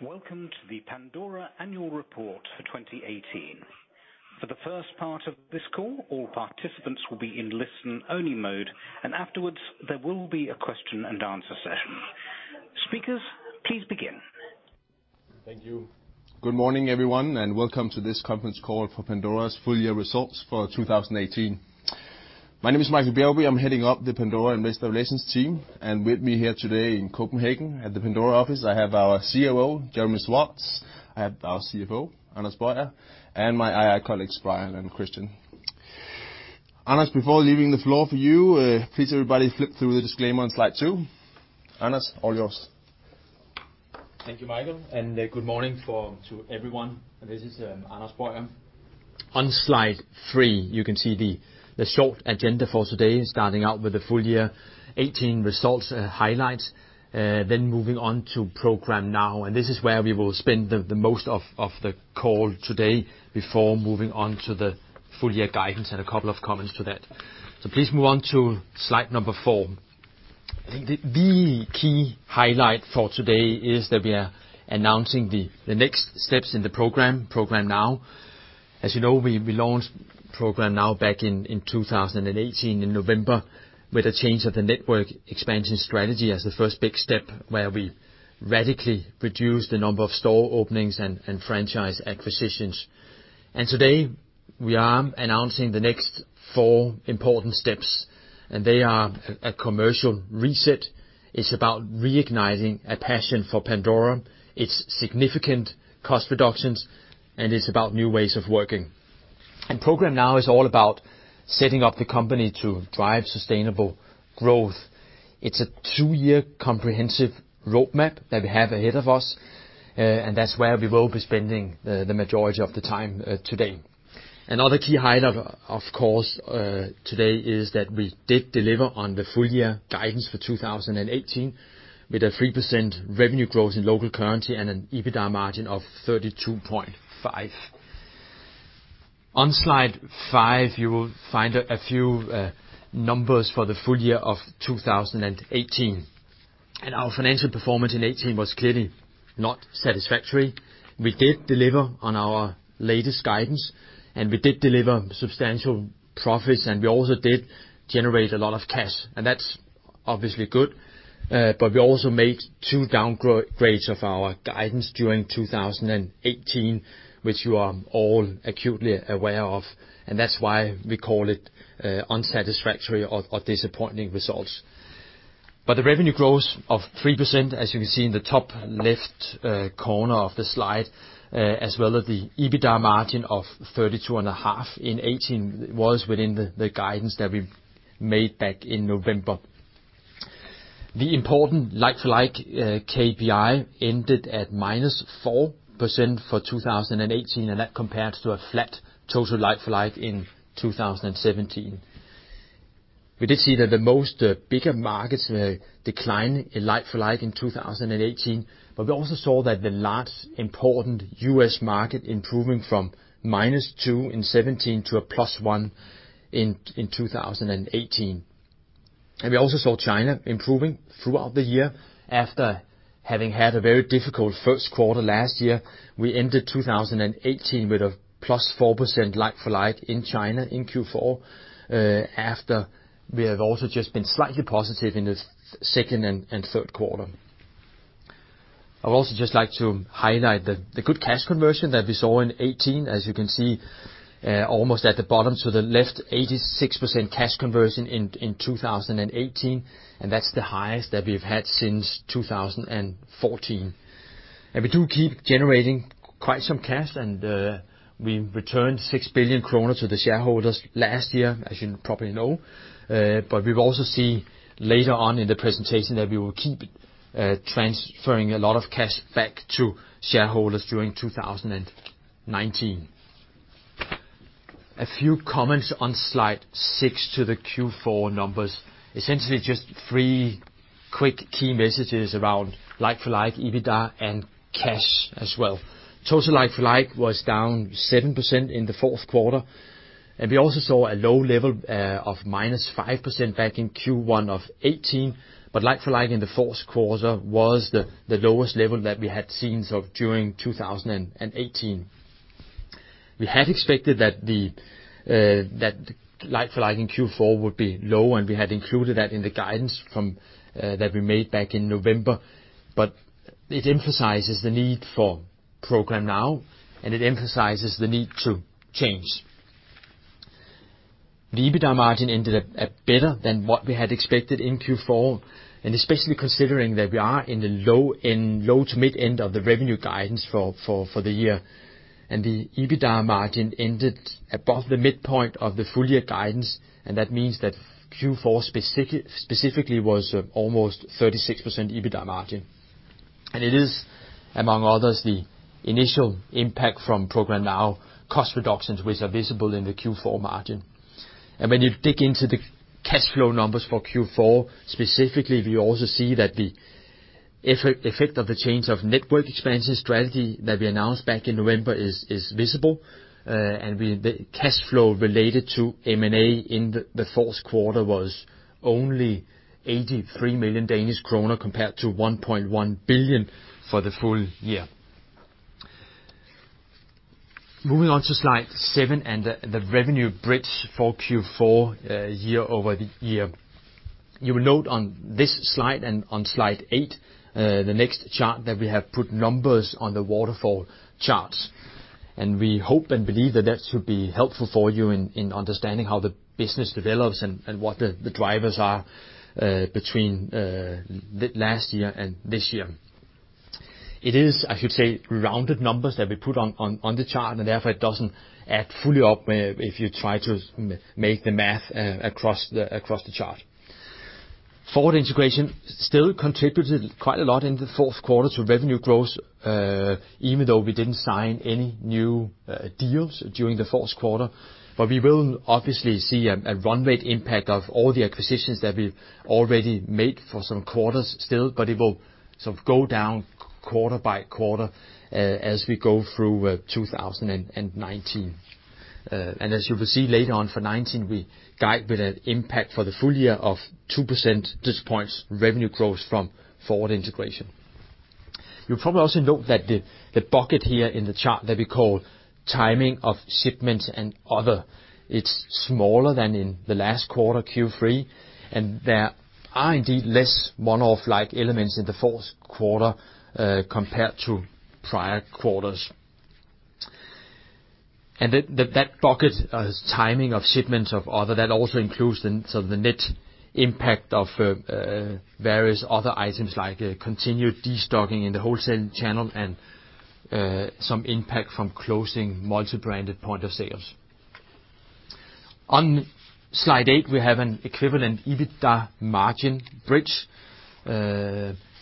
Welcome to the Pandora Annual Report for 2018. For the first part of this call, all participants will be in listen-only mode, and afterwards, there will be a question and answer session. Speakers, please begin. Thank you. Good morning, everyone, and welcome to this conference call for Pandora's full year results for 2018. My name is Michael Bjergby, I'm heading up the Pandora Investor Relations team, and with me here today in Copenhagen at the Pandora office, I have our COO, Jeremy Schwartz, I have our CFO, Anders Boyer, and my two colleagues, Brian and Christian. Anders, before leaving the floor for you, please, everybody, flip through the disclaimer on slide 2. Anders, all yours. Thank you, Michael, and good morning to everyone. This is Anders Boyer. On slide three, you can see the short agenda for today, starting out with the full year 2018 results, highlights, then moving on to Programme NOW, and this is where we will spend the most of the call today before moving on to the full year guidance and a couple of comments to that. So please move on to slide number 4. I think the key highlight for today is that we are announcing the next steps in the Programme NOW as you know, we launched Programme NOW back in 2018, in November, with a change of the network expansion strategy as the first big step, where we radically reduced the number of store openings and franchise acquisitions. Today, we are announcing the next four important steps, and they are a Commercial Reset. It's about Reigniting a Passion for Pandora, it's significant cost reductions, and it's about new ways of Programme NOW is all about setting up the company to drive sustainable growth. It's a two-year comprehensive roadmap that we have ahead of us, and that's where we will be spending the majority of the time today. Another key highlight, of course, today is that we did deliver on the full year guidance for 2018, with a 3% revenue growth in local currency and an EBITDA margin of 32.5%. On slide 5, you will find a few numbers for the full year of 2018, and our financial performance in 2018 was clearly not satisfactory. We did deliver on our latest guidance, and we did deliver substantial profits, and we also did generate a lot of cash, and that's obviously good. But we also made two downgrades of our guidance during 2018, which you are all acutely aware of, and that's why we call it, unsatisfactory or, or disappointing results. But the revenue growth of 3%, as you can see in the top left, corner of the slide, as well as the EBITDA margin of 32.5 in 2018, was within the, the guidance that we made back in November. The important like-for-like, KPI ended at -4% for 2018, and that compares to a flat total like-for-like in 2017. We did see that the most bigger markets decline in like-for-like in 2018, but we also saw that the large, important U.S. market improving from -2% in 2017 to +1% in 2018. We also saw China improving throughout the year. After having had a very difficult Q1 last year, we ended 2018 with +4% like-for-like in China in Q4, after we have also just been slightly positive in the second and Q3. I'd also just like to highlight the good cash conversion that we saw in 2018. As you can see, almost at the bottom to the left, 86% cash conversion in 2018, and that's the highest that we've had since 2014. And we do keep generating quite some cash, and we returned 6 billion kroner to the shareholders last year, as you probably know. But we will also see later on in the presentation that we will keep transferring a lot of cash back to shareholders during 2019. A few comments on slide 6 to the Q4 numbers. Essentially, just three quick key messages around like-for-like, EBITDA, and cash as well. Total like-for-like was down 7% in the Q4, and we also saw a low level of -5% back in Q1 of 2018. But like-for-like in the Q4 was the lowest level that we had seen so during 2018. We had expected that the that like-for-like in Q4 would be low, and we had included that in the guidance from that we made back in November. But it emphasizes the need for Programme NOW, and it emphasizes the need to change. The EBITDA margin ended up better than what we had expected in Q4, and especially considering that we are in the low to mid end of the revenue guidance for the year, and the EBITDA margin ended above the midpoint of the full year guidance, and that means that Q4 specifically was almost 36% EBITDA margin. And it is, among others, the initial impact of Programme NOW cost reductions, which are visible in the Q4 margin. When you dig into the cash flow numbers for Q4, specifically, we also see that the effect of the change of network expansion strategy that we announced back in November is visible, and the cash flow related to M&A in the Q4 was only 83 million Danish kroner, compared to 1.1 billion for the full year. Moving on to slide 7 and the revenue bridge for Q4, year-over-year. You will note on this slide and on slide 8, the next chart, that we have put numbers on the waterfall charts. We hope and believe that that should be helpful for you in understanding how the business develops and what the drivers are, between the last year and this year. It is, I should say, rounded numbers that we put on the chart, and therefore, it doesn't add fully up if you try to make the math across the chart. Forward integration still contributed quite a lot in the Q4 to revenue growth, even though we didn't sign any new deals during the Q4. But we will obviously see a run rate impact of all the acquisitions that we've already made for some quarters still, but it will sort of go down quarter by quarter, as we go through 2019. And as you will see later on, for 2019, we guide with an impact for the full year of 2% percentage points revenue growth from forward integration. You'll probably also note that the bucket here in the chart that we call timing of shipments and other, it's smaller than in the last quarter, Q3, and there are indeed less one-off-like elements in the Q4 compared to prior quarters. And that bucket, timing of shipments and other, that also includes so the net impact of various other items like continued destocking in the wholesale channel and some impact from closing multi-branded point of sales. On slide eight, we have an equivalent EBITDA margin bridge.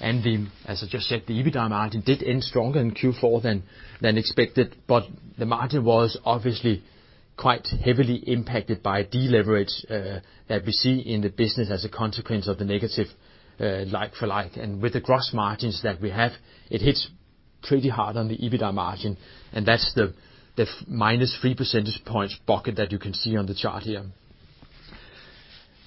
And as I just said, the EBITDA margin did end stronger in Q4 than expected, but the margin was obviously quite heavily impacted by deleverage that we see in the business as a consequence of the negative like-for-like. With the gross margins that we have, it hits pretty hard on the EBITDA margin, and that's the -3 percentage points bucket that you can see on the chart here.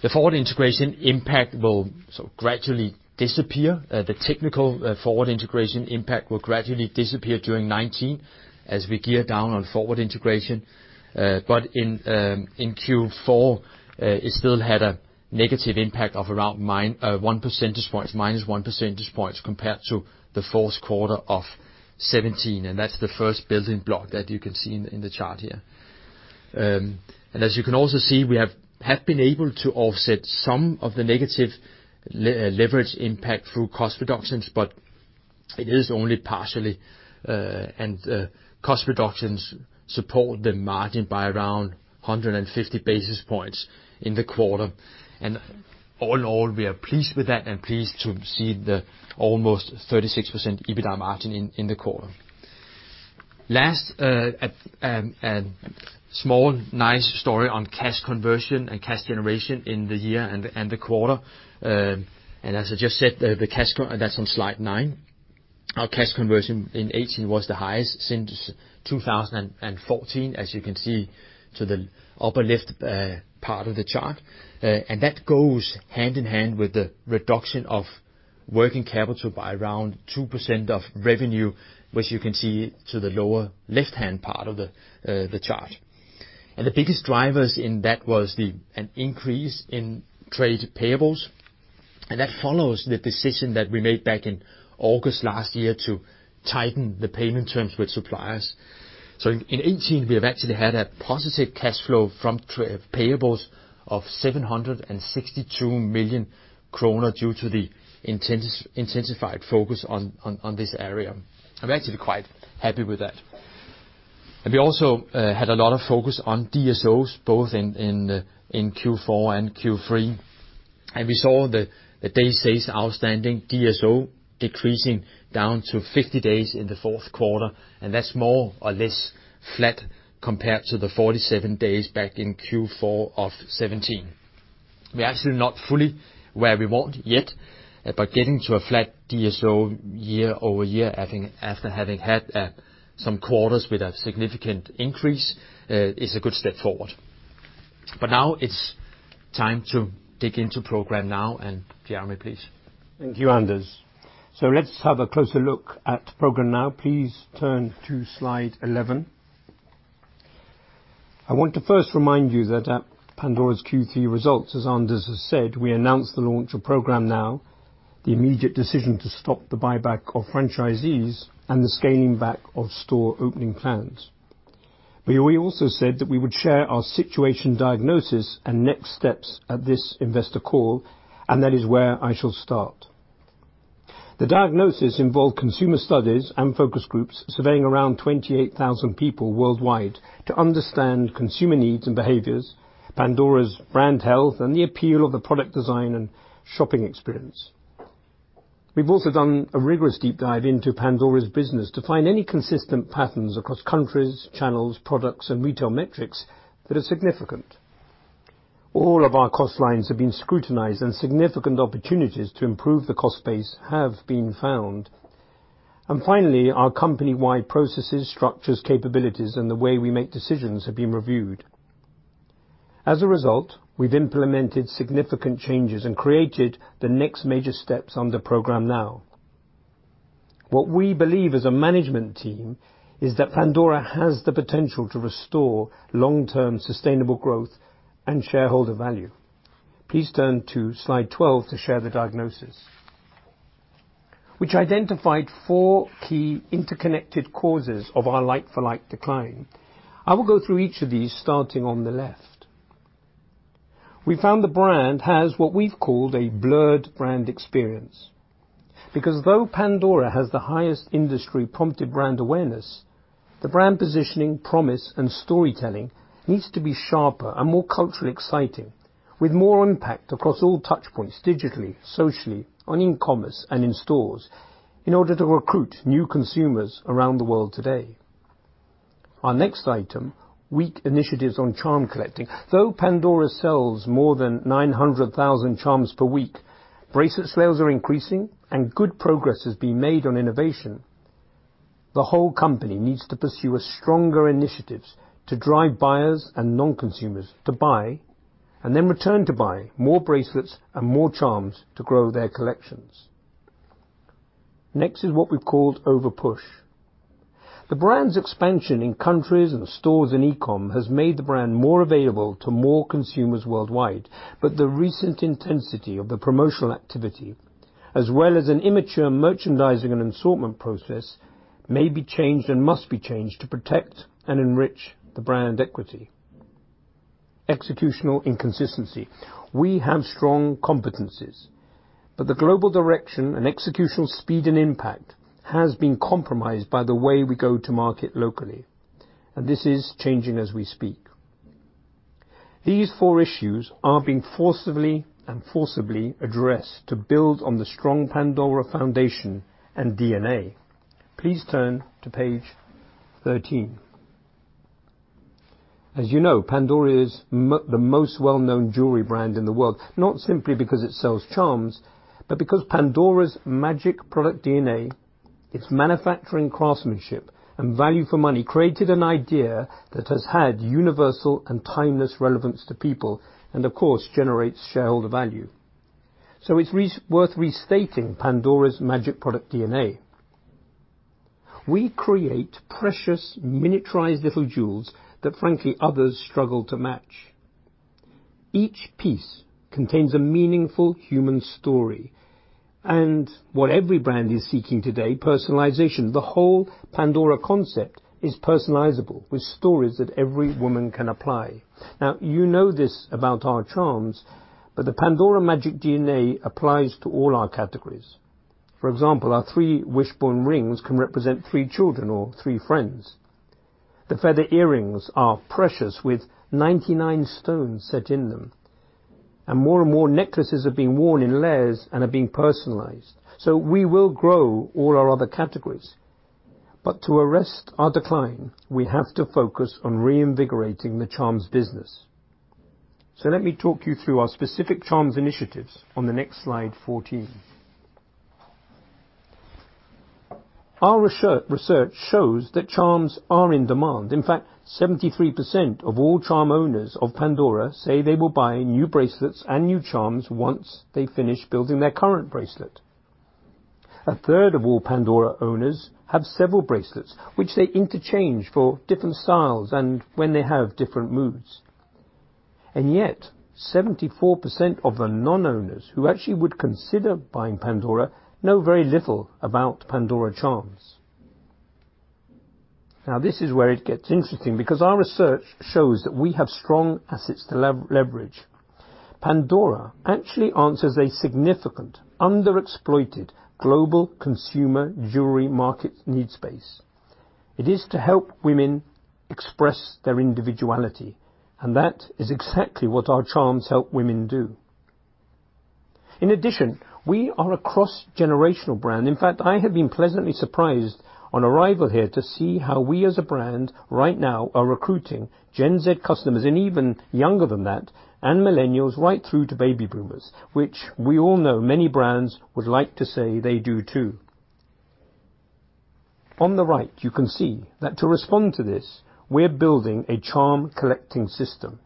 The forward integration impact will sort of gradually disappear. The technical forward integration impact will gradually disappear during 2019, as we gear down on forward integration. But in Q4, it still had a negative impact of around -1 percentage points, minus 1 percentage points, compared to the Q4 of 2017, and that's the first building block that you can see in the chart here. As you can also see, we have been able to offset some of the negative leverage impact through cost reductions, but it is only partially. Cost reductions support the margin by around 150 basis points in the quarter. And all in all, we are pleased with that and pleased to see the almost 36% EBITDA margin in the quarter. Last, small, nice story on cash conversion and cash generation in the year and the quarter. And as I just said, the cash conversion that's on slide 9. Our cash conversion in 2018 was the highest since 2014, as you can see to the upper left, part of the chart. And that goes hand in hand with the reduction of working capital by around 2% of revenue, which you can see to the lower left-hand part of the chart. The biggest drivers in that was an increase in trade payables, and that follows the decision that we made back in August last year to tighten the payment terms with suppliers. So in 2018, we have actually had a positive cash flow from trade payables of 762 million kroner due to the intensified focus on this area. I'm actually quite happy with that. And we also had a lot of focus on DSOs, both in Q4 and Q3, and we saw the days outstanding, DSO, decreasing down to 50 days in the Q4, and that's more or less flat compared to the 47 days back in Q4 of 2017. We're actually not fully where we want yet, but getting to a flat DSO year-over-year, I think, after having had some quarters with a significant increase, is a good step forward. But now it's time to dig into Programme NOW, and Jeremy, please. Thank you, Anders. So let's have a closer look at Programme NOW please turn to slide 11. I want to first remind you that at Pandora's Q3 results, as Anders has said, we announced the launch Programme NOW, the immediate decision to stop the buyback of franchisees, and the scaling back of store opening plans. We also said that we would share our situation diagnosis and next steps at this investor call, and that is where I shall start. The diagnosis involved consumer studies and focus groups surveying around 28,000 people worldwide to understand consumer needs and behaviors, Pandora's brand health, and the appeal of the product design and shopping experience. We've also done a rigorous deep dive into Pandora's business to find any consistent patterns across countries, channels, products, and retail metrics that are significant. All of our cost lines have been scrutinized, and significant opportunities to improve the cost base have been found. Finally, our company-wide processes, structures, capabilities, and the way we make decisions have been reviewed. As a result, we've implemented significant changes and created the next major steps on Programme NOW what we believe as a management team is that Pandora has the potential to restore long-term sustainable growth and shareholder value. Please turn to slide 12 to share the diagnosis, which identified four key interconnected causes of our like-for-like decline. I will go through each of these, starting on the left. We found the brand has what we've called a blurred brand experience. Because though Pandora has the highest industry-prompted brand awareness, the brand positioning, promise, and storytelling needs to be sharper and more culturally exciting, with more impact across all touch points digitally, socially, on e-commerce and in stores, in order to recruit new consumers around the world today. Our next item, weak initiatives on charm collecting. Though Pandora sells more than 900,000 charms per week, bracelet sales are increasing and good progress has been made on innovation. The whole company needs to pursue a stronger initiatives to drive buyers and non-consumers to buy, and then return to buy more bracelets and more charms to grow their collections. Next is what we've called Over-push. The brand's expansion in countries and stores and e-com has made the brand more available to more consumers worldwide, but the recent intensity of the promotional activity, as well as an immature merchandising and assortment process, may be changed and must be changed to protect and enrich the brand equity. Executional inconsistency. We have strong competencies, but the global direction and executional speed and impact has been compromised by the way we go to market locally, and this is changing as we speak. These four issues are being forcibly and forcibly addressed to build on the strong Pandora foundation and DNA. Please turn to page 13. As you know, Pandora is the most well-known jewelry brand in the world, not simply because it sells charms, but because Pandora's magic product DNA, its manufacturing, craftsmanship, and value for money, created an idea that has had universal and timeless relevance to people, and of course, generates shareholder value. So it's worth restating Pandora's magic product DNA. We create precious, miniaturized little jewels that, frankly, others struggle to match. Each piece contains a meaningful human story and what every brand is seeking today, personalization. The whole Pandora concept is personalizable with stories that every woman can apply. Now, you know this about our charms, but the Pandora magic DNA applies to all our categories. For example, our three Wishbone rings can represent three children or three friends. The feather earrings are precious, with 99 stones set in them, and more and more necklaces are being worn in layers and are being personalized, so we will grow all our other categories. But to arrest our decline, we have to focus on reinvigorating the charms business. So let me talk you through our specific charms initiatives on the next slide, 14. Our research shows that charms are in demand. In fact, 73% of all charm owners of Pandora say they will buy new bracelets and new charms once they finish building their current bracelet. A third of all Pandora owners have several bracelets, which they interchange for different styles and when they have different moods. And yet, 74% of the non-owners who actually would consider buying Pandora know very little about Pandora charms. Now, this is where it gets interesting, because our research shows that we have strong assets to leverage. Pandora actually answers a significant underexploited global consumer jewelry market need space. It is to help women express their individuality, and that is exactly what our charms help women do. In addition, we are a cross-generational brand. In fact, I have been pleasantly surprised on arrival here to see how we, as a brand, right now are recruiting Gen Z customers and even younger than that, and millennials right through to baby boomers, which we all know many brands would like to say they do, too. On the right, you can see that to respond to this, we're building a charm collecting system.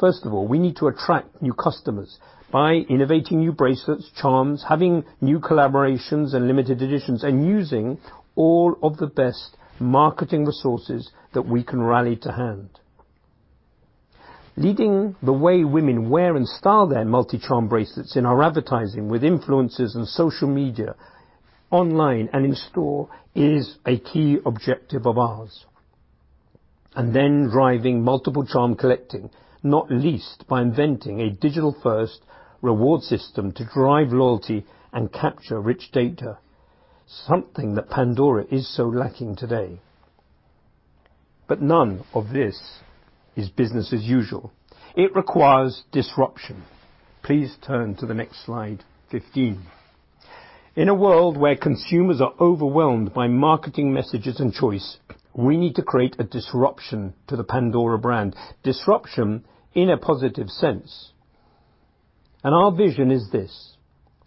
First of all, we need to attract new customers by innovating new bracelets, charms, having new collaborations and limited editions, and using all of the best marketing resources that we can rally to hand. Leading the way women wear and style their multi-charm bracelets in our advertising with influencers and social media, online and in store, is a key objective of ours. And then driving multiple charm collecting, not least by inventing a digital-first reward system to drive loyalty and capture rich data, something that Pandora is so lacking today. But none of this is business as usual. It requires disruption. Please turn to the next slide, 15. In a world where consumers are overwhelmed by marketing messages and choice, we need to create a disruption to the Pandora brand. Disruption in a positive sense. Our vision is this: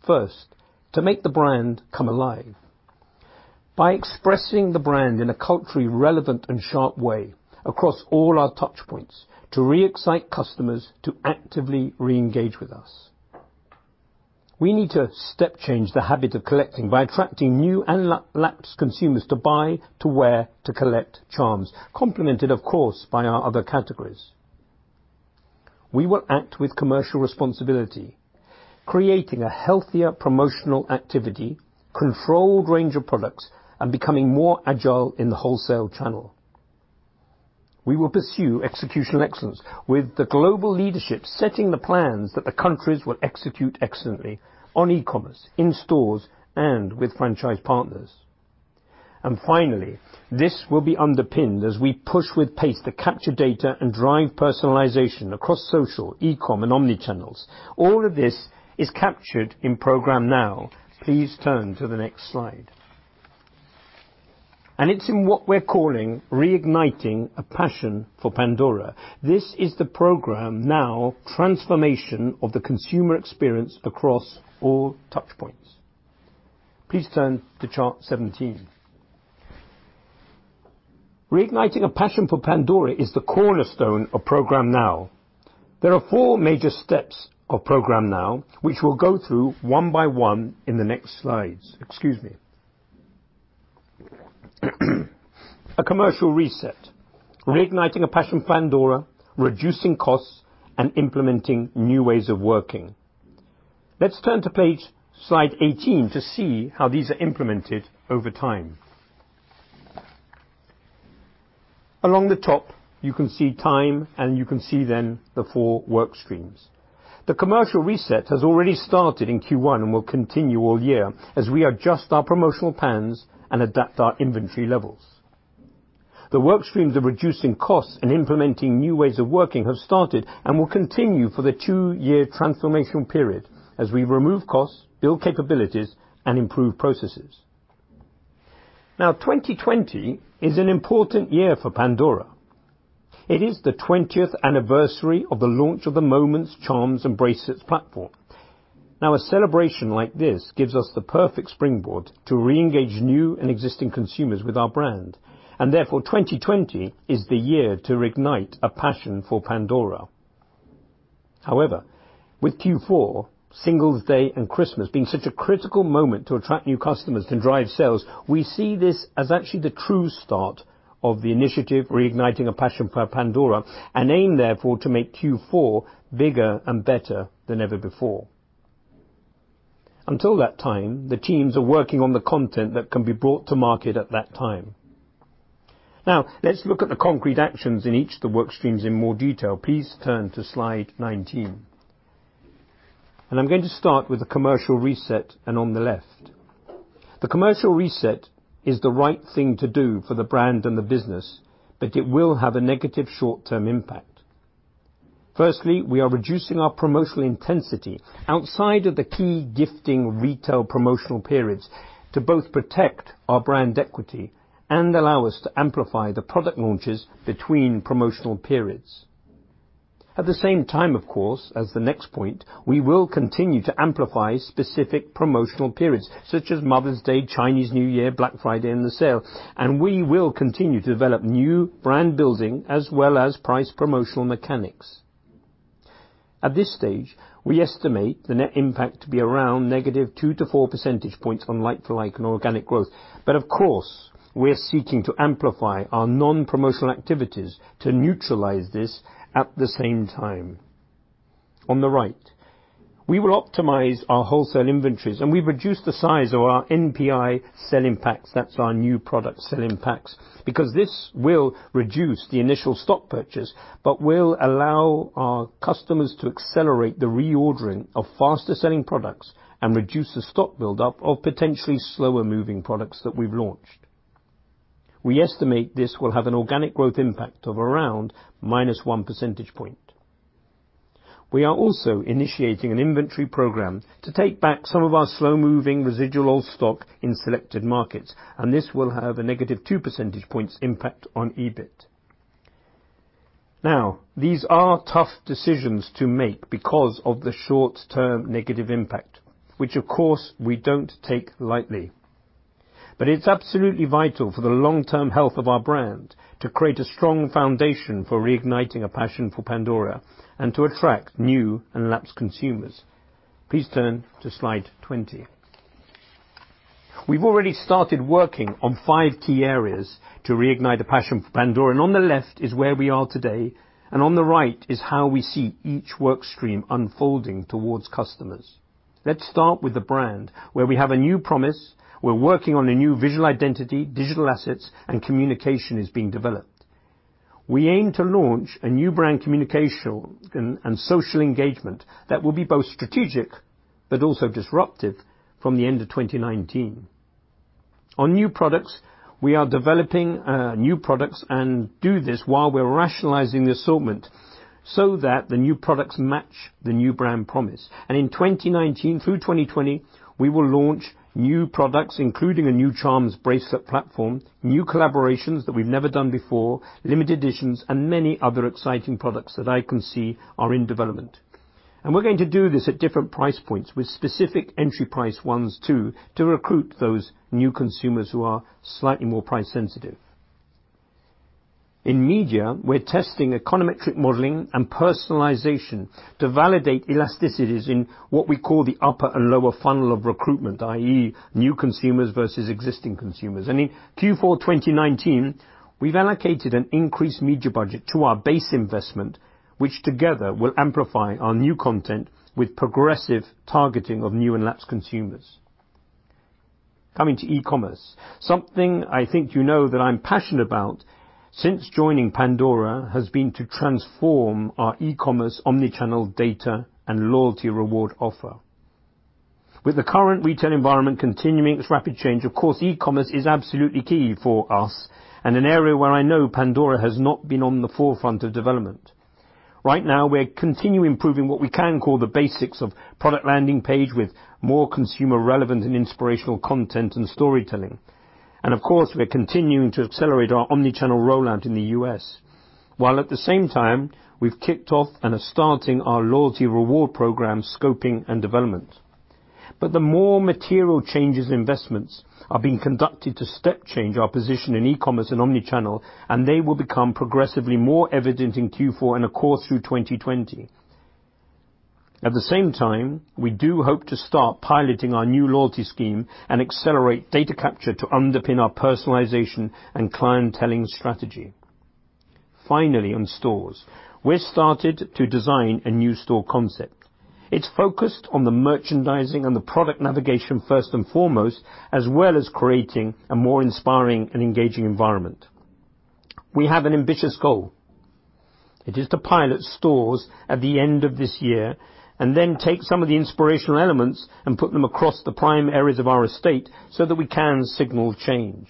first, to make the brand come alive by expressing the brand in a culturally relevant and sharp way across all our touchpoints to re-excite customers to actively re-engage with us. We need to step change the habit of collecting by attracting new and lapsed consumers to buy, to wear, to collect charms, complemented, of course, by our other categories. We will act with commercial responsibility, creating a healthier promotional activity, controlled range of products, and becoming more agile in the wholesale channel. We will pursue executional excellence with the global leadership, setting the plans that the countries will execute excellently on e-commerce, in stores, and with franchise partners. And finally, this will be underpinned as we push with pace to capture data and drive personalization across social, e-com, and omnichannel. All of this is captured Programme NOW please turn to the next slide. And it's in what we're calling Reigniting a Passion for Pandora. This is Programme NOW transformation of the consumer experience across all touchpoints. Please turn to chart 17. Reigniting a Passion for Pandora is the cornerstone Programme NOW there are four major steps Programme NOW, which we'll go through one by one in the next slides. Excuse me. A Commercial Reset, Reigniting a Passion for Pandora, reducing costs, and implementing new ways of working. Let's turn to page, slide 18 to see how these are implemented over time. Along the top, you can see time, and you can see then the four work streams. The Commercial Reset has already started in Q1 and will continue all year as we adjust our promotional plans and adapt our inventory levels. The work streams of reducing costs and implementing new ways of working have started and will continue for the two-year transformation period as we remove costs, build capabilities, and improve processes. Now, 2020 is an important year for Pandora. It is the twentieth anniversary of the launch of the Moments, charms, and bracelets platform. Now, a celebration like this gives us the perfect springboard to reengage new and existing consumers with our brand, and therefore, 2020 is the year to reignite a passion for Pandora. However, with Q4, Singles Day, and Christmas being such a critical moment to attract new customers and drive sales, we see this as actually the true start of the initiative, Reigniting a Passion for Pandora, and aim, therefore, to make Q4 bigger and better than ever before. Until that time, the teams are working on the content that can be brought to market at that time. Now, let's look at the concrete actions in each of the work streams in more detail. Please turn to slide 19. I'm going to start with the Commercial Reset and on the left. The Commercial Reset is the right thing to do for the brand and the business, but it will have a negative short-term impact. Firstly, we are reducing our promotional intensity outside of the key gifting retail promotional periods to both protect our brand equity and allow us to amplify the product launches between promotional periods. At the same time, of course, as the next point, we will continue to amplify specific promotional periods, such as Mother's Day, Chinese New Year, Black Friday, and the sale, and we will continue to develop new brand building as well as price promotional mechanics. At this stage, we estimate the net impact to be around negative 2 to 4 percentage points on like-for-like and organic growth. But of course, we are seeking to amplify our non-promotional activities to neutralize this at the same time. On the right, we will optimize our wholesale inventories, and we've reduced the size of our NPI sell-in packs, that's our new product sell-in packs, because this will reduce the initial stock purchase, but will allow our customers to accelerate the reordering of faster-selling products and reduce the stock build-up of potentially slower-moving products that we've launched. We estimate this will have an organic growth impact of around -1 percentage point. We are also initiating an inventory program to take back some of our slow-moving, residual old stock in selected markets, and this will have a -2 percentage points impact on EBIT. Now, these are tough decisions to make because of the short-term negative impact, which, of course, we don't take lightly. But it's absolutely vital for the long-term health of our brand to create a strong foundation for Reigniting a Passion for Pandora and to attract new and lapsed consumers. Please turn to slide 20. We've already started working on 5 key areas to reignite the passion for Pandora, and on the left is where we are today, and on the right is how we see each work stream unfolding towards customers. Let's start with the brand, where we have a new promise. We're working on a new visual identity, digital assets, and communication is being developed. We aim to launch a new brand communicational and, and social engagement that will be both strategic but also disruptive from the end of 2019. On new products, we are developing new products and do this while we're rationalizing the assortment so that the new products match the new brand promise. And in 2019 through 2020, we will launch new products, including a new Charms bracelet platform, new collaborations that we've never done before, limited editions, and many other exciting products that I can see are in development. And we're going to do this at different price points with specific entry price ones, too, to recruit those new consumers who are slightly more price sensitive. In media, we're testing econometric modeling and personalization to validate elasticities in what we call the upper and lower funnel of recruitment, i.e., new consumers versus existing consumers. In Q4 2019, we've allocated an increased media budget to our base investment, which together will amplify our new content with progressive targeting of new and lapsed consumers. Coming to e-commerce, something I think you know that I'm passionate about since joining Pandora has been to transform our e-commerce, omnichannel data, and loyalty reward offer. With the current retail environment continuing its rapid change, of course, e-commerce is absolutely key for us and an area where I know Pandora has not been on the forefront of development. Right now, we're continuing improving what we can call the basics of product landing page, with more consumer relevant and inspirational content and storytelling. Of course, we're continuing to accelerate our omnichannel rollout in the U.S., while at the same time, we've kicked off and are starting our loyalty reward program scoping and development. The more material changes and investments are being conducted to step change our position in e-commerce and omnichannel, and they will become progressively more evident in Q4 and, of course, through 2020. At the same time, we do hope to start piloting our new loyalty scheme and accelerate data capture to underpin our personalization and clienteling strategy. Finally, on stores, we've started to design a new store concept. It's focused on the merchandising and the product navigation first and foremost, as well as creating a more inspiring and engaging environment. We have an ambitious goal. It is to pilot stores at the end of this year and then take some of the inspirational elements and put them across the prime areas of our estate so that we can signal change.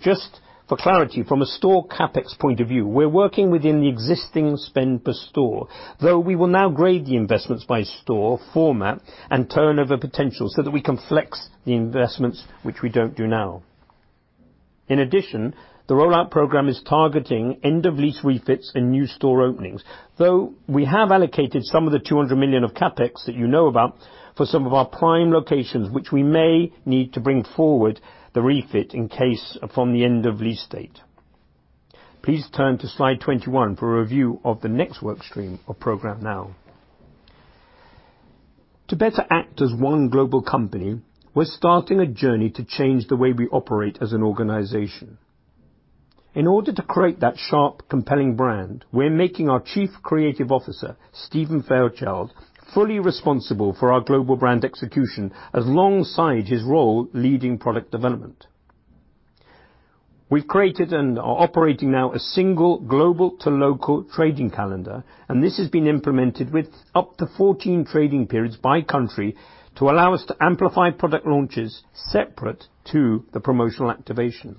Just for clarity, from a store CapEx point of view, we're working within the existing spend per store, though we will now grade the investments by store format and turnover potential, so that we can flex the investments, which we don't do now. In addition, the rollout program is targeting end-of-lease refits and new store openings, though we have allocated some of the 200 million of CapEx that you know about for some of our prime locations, which we may need to bring forward the refit in case from the end-of-lease date. Please turn to slide 21 for a review of the next work stream of Programme NOW. To better act as one global company, we're starting a journey to change the way we operate as an organization. In order to create that sharp, compelling brand, we're making our Chief Creative Officer, Stephen Fairchild, fully responsible for our global brand execution, as alongside his role, leading product development. We've created and are operating now a single global to local trading calendar, and this has been implemented with up to 14 trading periods by country to allow us to amplify product launches separate to the promotional activation.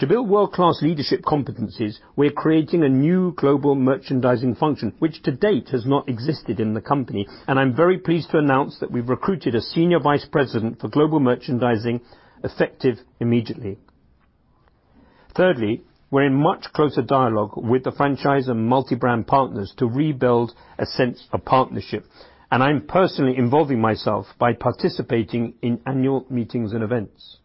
To build world-class leadership competencies, we're creating a new global merchandising function, which to date has not existed in the company, and I'm very pleased to announce that we've recruited a senior vice president for global merchandising, effective immediately. Thirdly, we're in much closer dialogue with the franchise and multi-brand partners to rebuild a sense of partnership, and I'm personally involving myself by participating in annual meetings and events.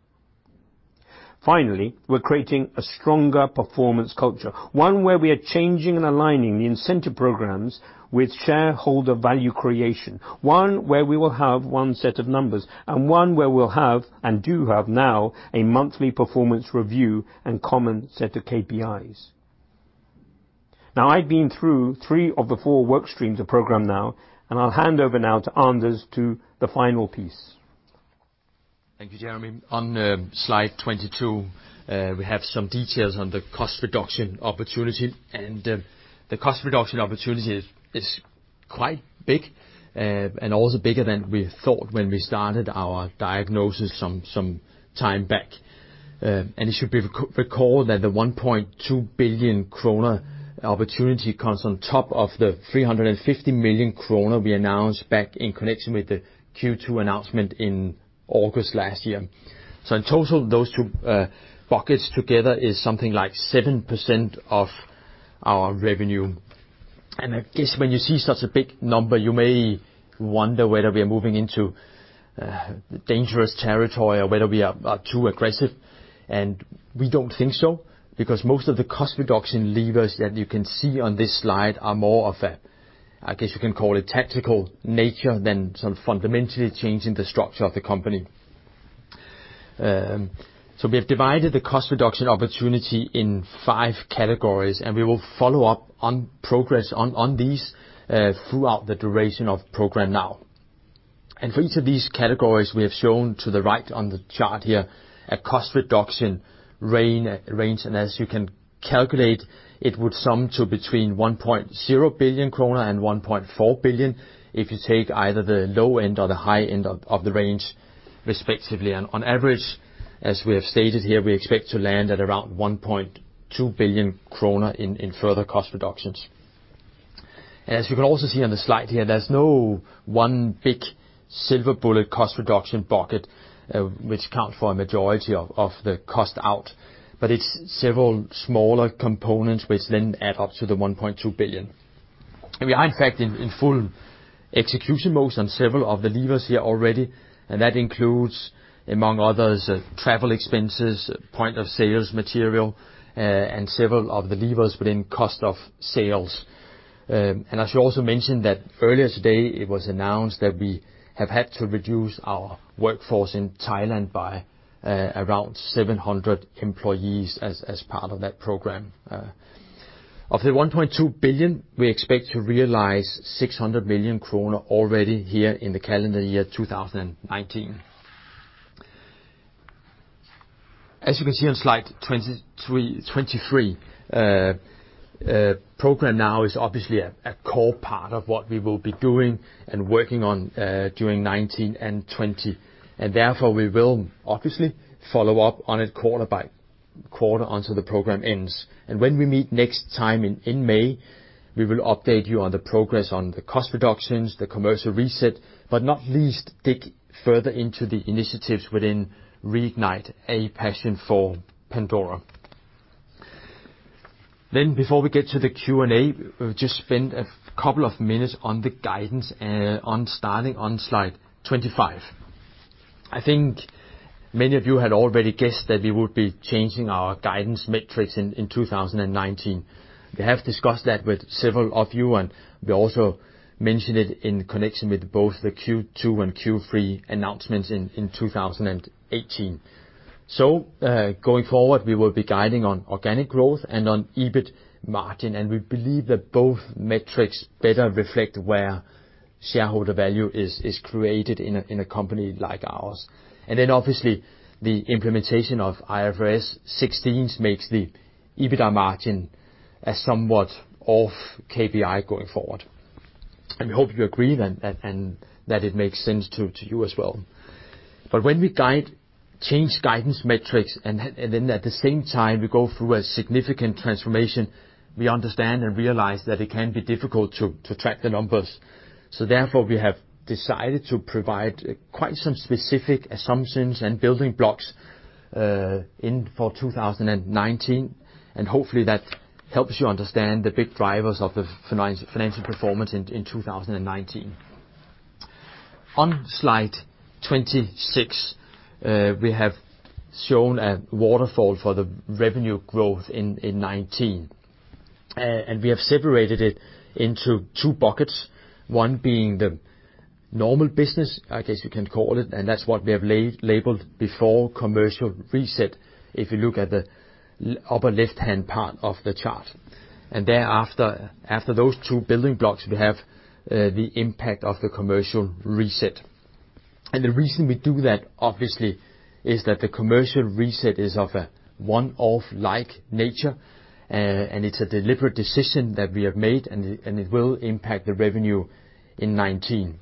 Finally, we're creating a stronger performance culture, one where we are changing and aligning the incentive programs with shareholder value creation, one where we will have one set of numbers, and one where we'll have, and do have now, a monthly performance review and common set of KPIs. Now, I've been through three of the four work streams Programme NOW, and I'll hand over now to Anders to the final piece. Thank you, Jeremy. On slide 22, we have some details on the cost reduction opportunity, and the cost reduction opportunity is quite big, and also bigger than we thought when we started our diagnosis some time back. And it should be recalled that the 1.2 billion kroner opportunity comes on top of the 350 million kroner we announced back in connection with the Q2 announcement in August last year. So in total, those two buckets together is something like 7% of our revenue. I guess when you see such a big number, you may wonder whether we are moving into dangerous territory or whether we are too aggressive, and we don't think so, because most of the cost reduction levers that you can see on this slide are more of a, I guess you can call it, tactical nature than some fundamentally changing the structure of the company. So we have divided the cost reduction opportunity in five categories, and we will follow up on progress on these throughout the duration Programme NOW for each of these categories, we have shown to the right on the chart here, a cost reduction range. As you can calculate, it would sum to between 1.0 billion kroner and 1.4 billion, if you take either the low end or the high end of the range, respectively. On average, as we have stated here, we expect to land at around 1.2 billion kroner in further cost reductions. As you can also see on the slide here, there's no one big silver bullet cost reduction bucket which count for a majority of the cost out, but it's several smaller components which then add up to the 1.2 billion. We are, in fact, in full execution modes on several of the levers here already, and that includes, among others, travel expenses, point of sales material, and several of the levers within cost of sales. And I should also mention that earlier today, it was announced that we have had to reduce our workforce in Thailand by around 700 employees as part of that program. Of the 1.2 billion, we expect to realize 600 million kroner already here in the calendar year 2019. As you can see on slide 23, Programme NOW is obviously a core part of what we will be doing and working on during 2019 and 2020, and therefore, we will obviously follow up on it quarter by quarter until the program ends. And when we meet next time in May, we will update you on the progress on the cost reductions, the Commercial Reset, but not least, dig further into the initiatives within Reignite a Passion for Pandora. Then before we get to the Q&A, we'll just spend a couple of minutes on the guidance on starting on slide 25. I think many of you had already guessed that we would be changing our guidance metrics in 2019. We have discussed that with several of you, and we also mentioned it in connection with both the Q2 and Q3 announcements in 2018. So, going forward, we will be guiding on organic growth and on EBIT margin, and we believe that both metrics better reflect where shareholder value is created in a company like ours. And then, obviously, the implementation of IFRS 16 makes the EBITDA margin a somewhat off KPI going forward, and we hope you agree and that it makes sense to you as well. But when we guide, change guidance metrics, and then, and then at the same time, we go through a significant transformation, we understand and realize that it can be difficult to, to track the numbers. So therefore, we have decided to provide quite some specific assumptions and building blocks in for 2019, and hopefully, that helps you understand the big drivers of the financial performance in 2019. On slide 26, we have shown a waterfall for the revenue growth in 2019, and we have separated it into two buckets, one being the normal business, I guess you can call it, and that's what we have labeled before Commercial Reset, if you look at the upper left-hand part of the chart. And thereafter, after those two building blocks, we have the impact of the Commercial Reset. The reason we do that, obviously, is that the Commercial Reset is of a one-off like nature, and it's a deliberate decision that we have made, and it will impact the revenue in 2019.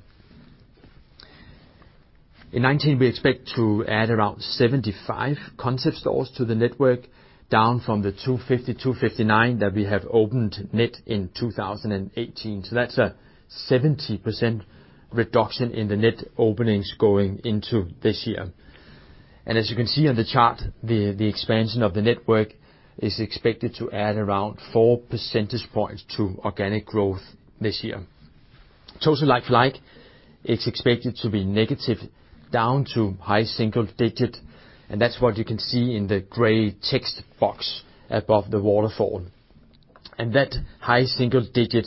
In 2019, we expect to add around 75 concept stores to the network, down from the 250, 259 that we have opened net in 2018. So that's a 70% reduction in the net openings going into this year. And as you can see on the chart, the expansion of the network is expected to add around 4 percentage points to organic growth this year. Total like-for-like, it's expected to be negative, down to high single digit, and that's what you can see in the gray text box above the waterfall. That high single digit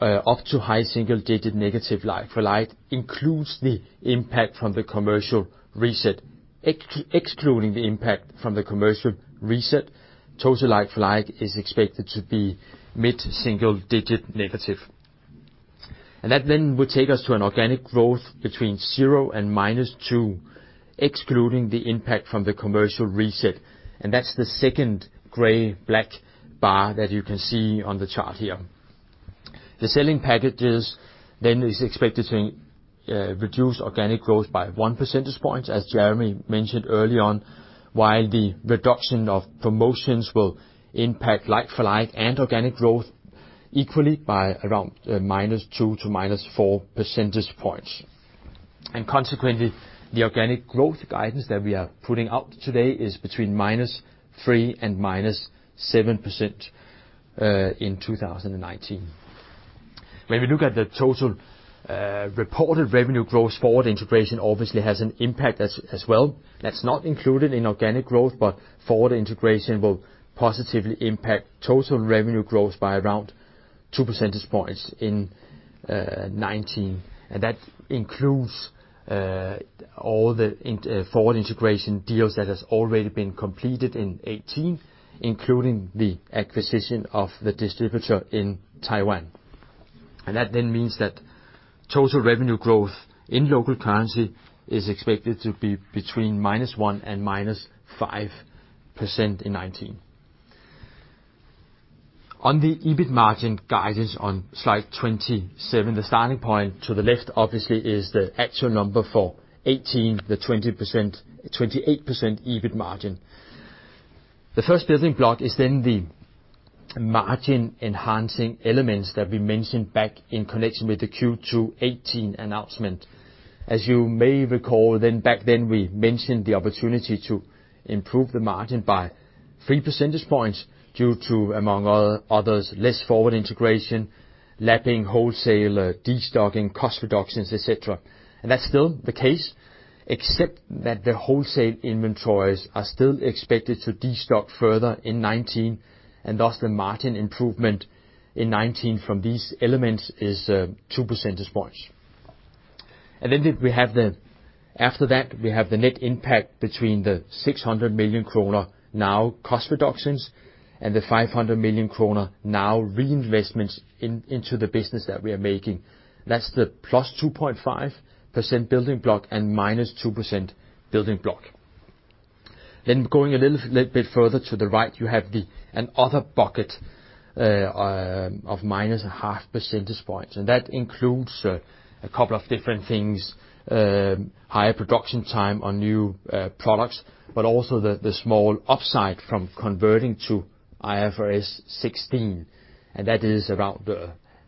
up to high single digit negative like-for-like includes the impact from the Commercial Reset. Excluding the impact from the Commercial Reset, total like-for-like is expected to be mid-single digit negative. That then will take us to an organic growth between 0 and -2, excluding the impact from the Commercial Reset, and that's the second gray black bar that you can see on the chart here. The sell-in packages then is expected to reduce organic growth by 1 percentage point, as Jeremy mentioned early on, while the reduction of promotions will impact like-for-like and organic growth equally by around -2 to -4 percentage points. Consequently, the organic growth guidance that we are putting out today is between -3 and -7% in 2019. When we look at the total, reported revenue growth, forward integration obviously has an impact as well. That's not included in organic growth, but forward integration will positively impact total revenue growth by around 2 percentage points in 2019, and that includes all the forward integration deals that has already been completed in 2018, including the acquisition of the distributor in Taiwan. And that then means that total revenue growth in local currency is expected to be between minus 1 and minus 5% in 2019. On the EBIT margin guidance on slide 27, the starting point to the left, obviously, is the actual number for 2018, the 20%, 28% EBIT margin. The first building block is then the margin-enhancing elements that we mentioned back in connection with the Q2 2018 announcement. As you may recall, then back then, we mentioned the opportunity to improve the margin by 3 percentage points due to, among others, less forward integration, lapping wholesale, destocking, cost reductions, et cetera. And that's still the case, except that the wholesale inventories are still expected to destock further in 2019, and thus the margin improvement in 2019 from these elements is 2 percentage points. And then after that, we have the net impact between the 600 million kroner NOW cost reductions and the 500 million kroner NOW reinvestments in, into the business that we are making. That's the +2.5% building block and -2% building block. Then going a little, little bit further to the right, you have the, an other bucket, of minus 0.5 percentage points, and that includes, a couple of different things, higher production time on new, products, but also the, the small upside from converting to IFRS 16, and that is around,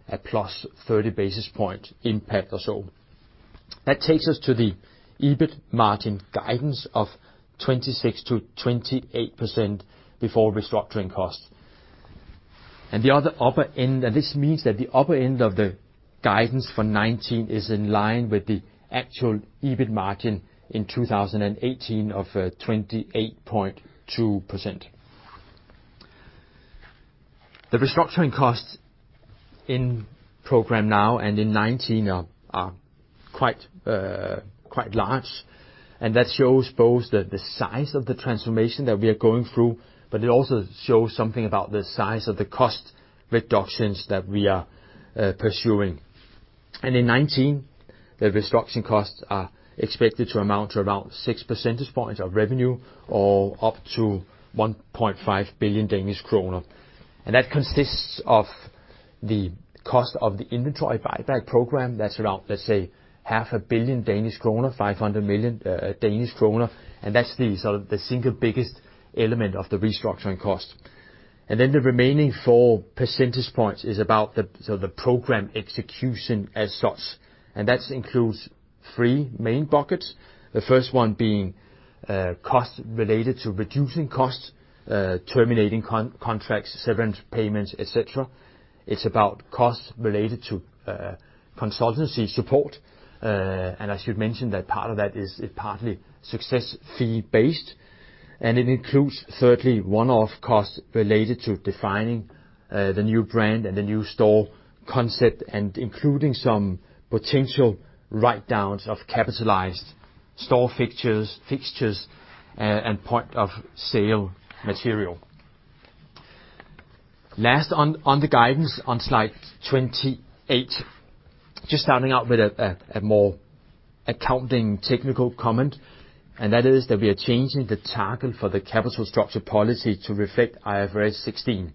a +30 basis point impact or so. That takes us to the EBIT margin guidance of 26%-28% before restructuring costs. And the other upper end, and this means that the upper end of the guidance for 2019 is in line with the actual EBIT margin in 2018 of, 28.2%. The restructuring costs Programme NOW and in 2019 are quite, quite large, and that shows both the size of the transformation that we are going through, but it also shows something about the size of the cost reductions that we are pursuing. In 2019, the restructuring costs are expected to amount to around 6 percentage points of revenue or up to 1.5 billion Danish kroner. And that consists of the cost of the inventory buyback program, that's around, let's say, 500 million Danish kroner, and that's sort of the single biggest element of the restructuring cost. And then the remaining 4 percentage points is about the program execution as such, and that includes three main buckets. The first one being costs related to reducing costs, terminating contracts, severance payments, et cetera. It's about costs related to consultancy support, and I should mention that part of that is partly success fee-based, and it includes, thirdly, one-off costs related to defining the new brand and the new store concept, and including some potential write-downs of capitalized store fixtures and point of sale material. Last on the guidance on slide 28, just starting out with a more accounting technical comment, and that is that we are changing the target for the capital structure policy to reflect IFRS 16.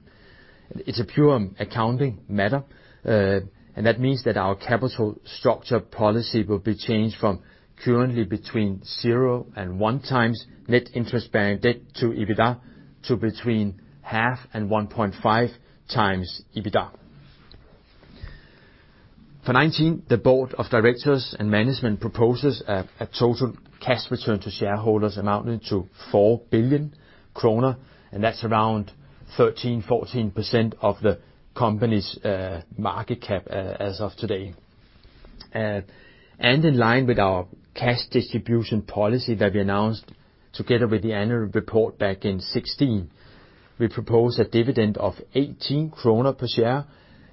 It's a pure accounting matter, and that means that our capital structure policy will be changed from currently between 0 and 1 times net interest-bearing debt to EBITDA to between 0.5 and 1.5 times EBITDA. For 2019, the board of directors and management proposes a total cash return to shareholders amounting to 4 billion kroner, and that's around 13%-14% of the company's market cap as of today. In line with our cash distribution policy that we announced together with the annual report back in 2016, we propose a dividend of 18 kroner per share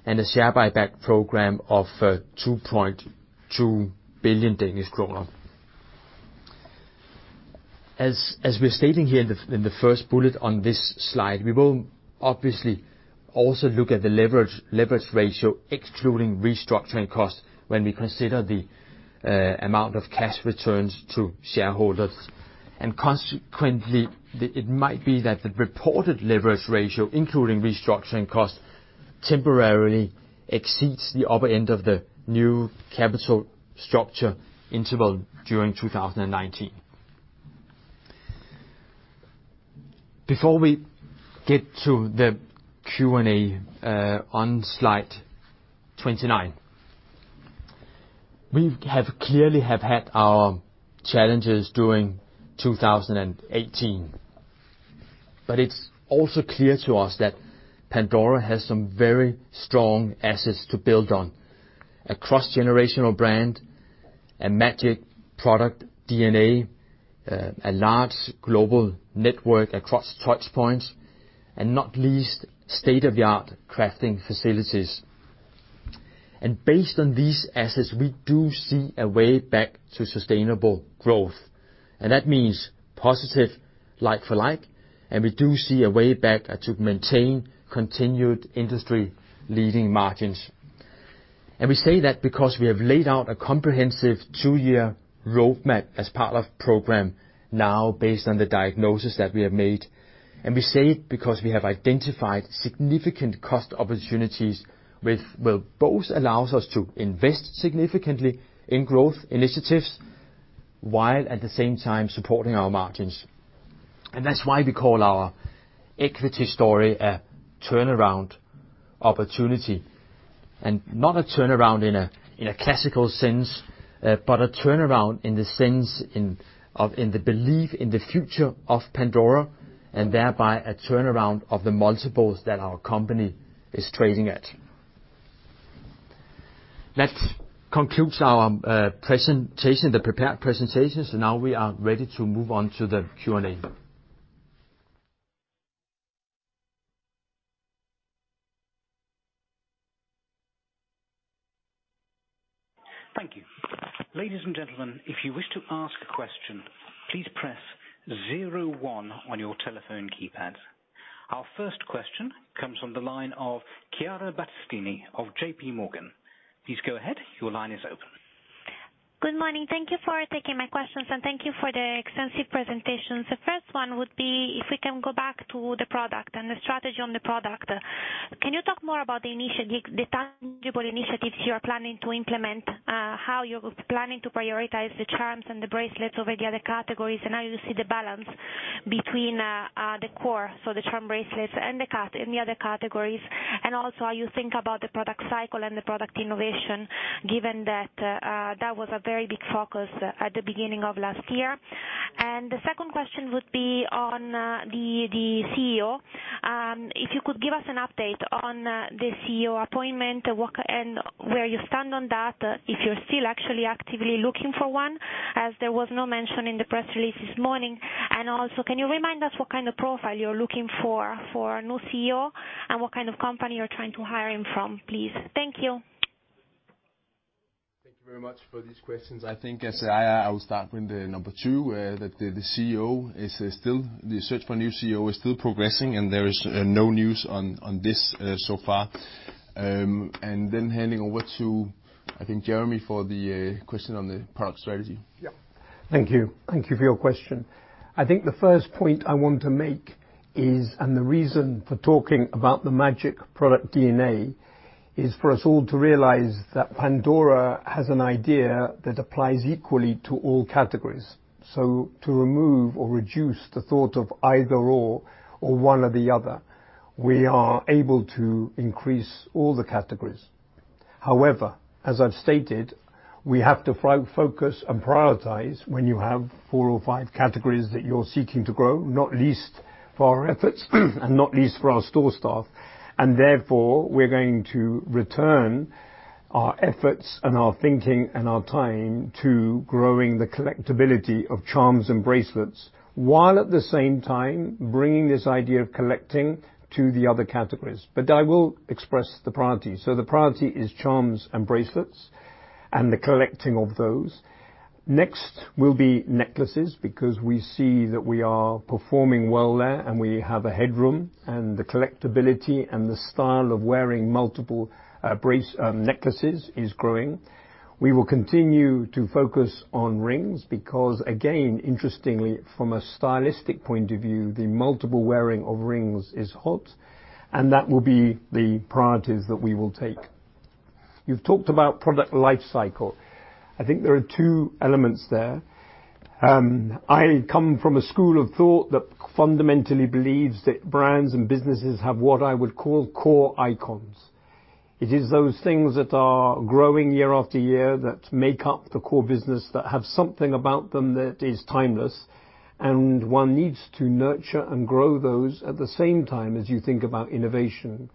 and a share buyback program of 2.2 billion Danish kroner. As we're stating here in the first bullet on this slide, we will obviously also look at the leverage ratio, excluding restructuring costs when we consider the amount of cash returns to shareholders, and consequently, it might be that the reported leverage ratio, including restructuring costs, temporarily exceeds the upper end of the new capital structure interval during 2019. Before we get to the Q&A, on slide 29, we have clearly have had our challenges during 2018, but it's also clear to us that Pandora has some very strong assets to build on: a cross-generational brand, a magic product DNA, a large global network across touchpoints, and not least, state-of-the-art crafting facilities. Based on these assets, we do see a way back to sustainable growth, and that means positive like-for-like, and we do see a way back to maintain continued industry-leading margins. We say that because we have laid out a comprehensive two-year roadmap as part Programme NOW based on the diagnosis that we have made, and we say it because we have identified significant cost opportunities, which will both allows us to invest significantly in growth initiatives, while at the same time supporting our margins. And that's why we call our equity story a turnaround opportunity... and not a turnaround in a classical sense, but a turnaround in the sense of the belief in the future of Pandora, and thereby a turnaround of the multiples that our company is trading at. That concludes our presentation, the prepared presentations. Now we are ready to move on to the Q&A. Thank you. Ladies and gentlemen, if you wish to ask a question, please press zero one on your telephone keypad. Our first question comes from the line of Chiara Battistini of J.P. Morgan. Please go ahead. Your line is open. Good morning. Thank you for taking my questions, and thank you for the extensive presentation. The first one would be if we can go back to the product and the strategy on the product. Can you talk more about the initiative, the tangible initiatives you are planning to implement, how you're planning to prioritize the charms and the bracelets over the other categories, and how you see the balance between the core, so the charm bracelets and the categories and the other categories? And also, how you think about the product cycle and the product innovation, given that that was a very big focus at the beginning of last year. And the second question would be on the CEO. If you could give us an update on the CEO appointment, what and where you stand on that, if you're still actually actively looking for one, as there was no mention in the press release this morning. Also, can you remind us what kind of profile you're looking for for a new CEO, and what kind of company you're trying to hire him from, please? Thank you. Thank you very much for these questions. I think as I will start with the number two, that the CEO is still... The search for a new CEO is still progressing, and there is no news on this so far. And then handing over to, I think, Jeremy, for the question on the product strategy. Yeah. Thank you. Thank you for your question. I think the first point I want to make is, and the reason for talking about the magic product DNA, is for us all to realize that Pandora has an idea that applies equally to all categories. So to remove or reduce the thought of either/or or one or the other, we are able to increase all the categories. However, as I've stated, we have to focus and prioritize when you have four or five categories that you're seeking to grow, not least for our efforts, and not least for our store staff, and therefore, we're going to return our efforts and our thinking and our time to growing the collectibility of charms and bracelets, while at the same time, bringing this idea of collecting to the other categories. But I will express the priority. So the priority is charms and bracelets and the collecting of those. Next will be necklaces, because we see that we are performing well there, and we have a headroom, and the collectibility and the style of wearing multiple necklaces is growing. We will continue to focus on rings, because again, interestingly, from a stylistic point of view, the multiple wearing of rings is hot, and that will be the priorities that we will take. You've talked about product life cycle. I think there are two elements there. I come from a school of thought that fundamentally believes that brands and businesses have what I would call core icons. It is those things that are growing year after year, that make up the core business, that have something about them that is timeless, and one needs to nurture and grow those at the same time as you think about innovation.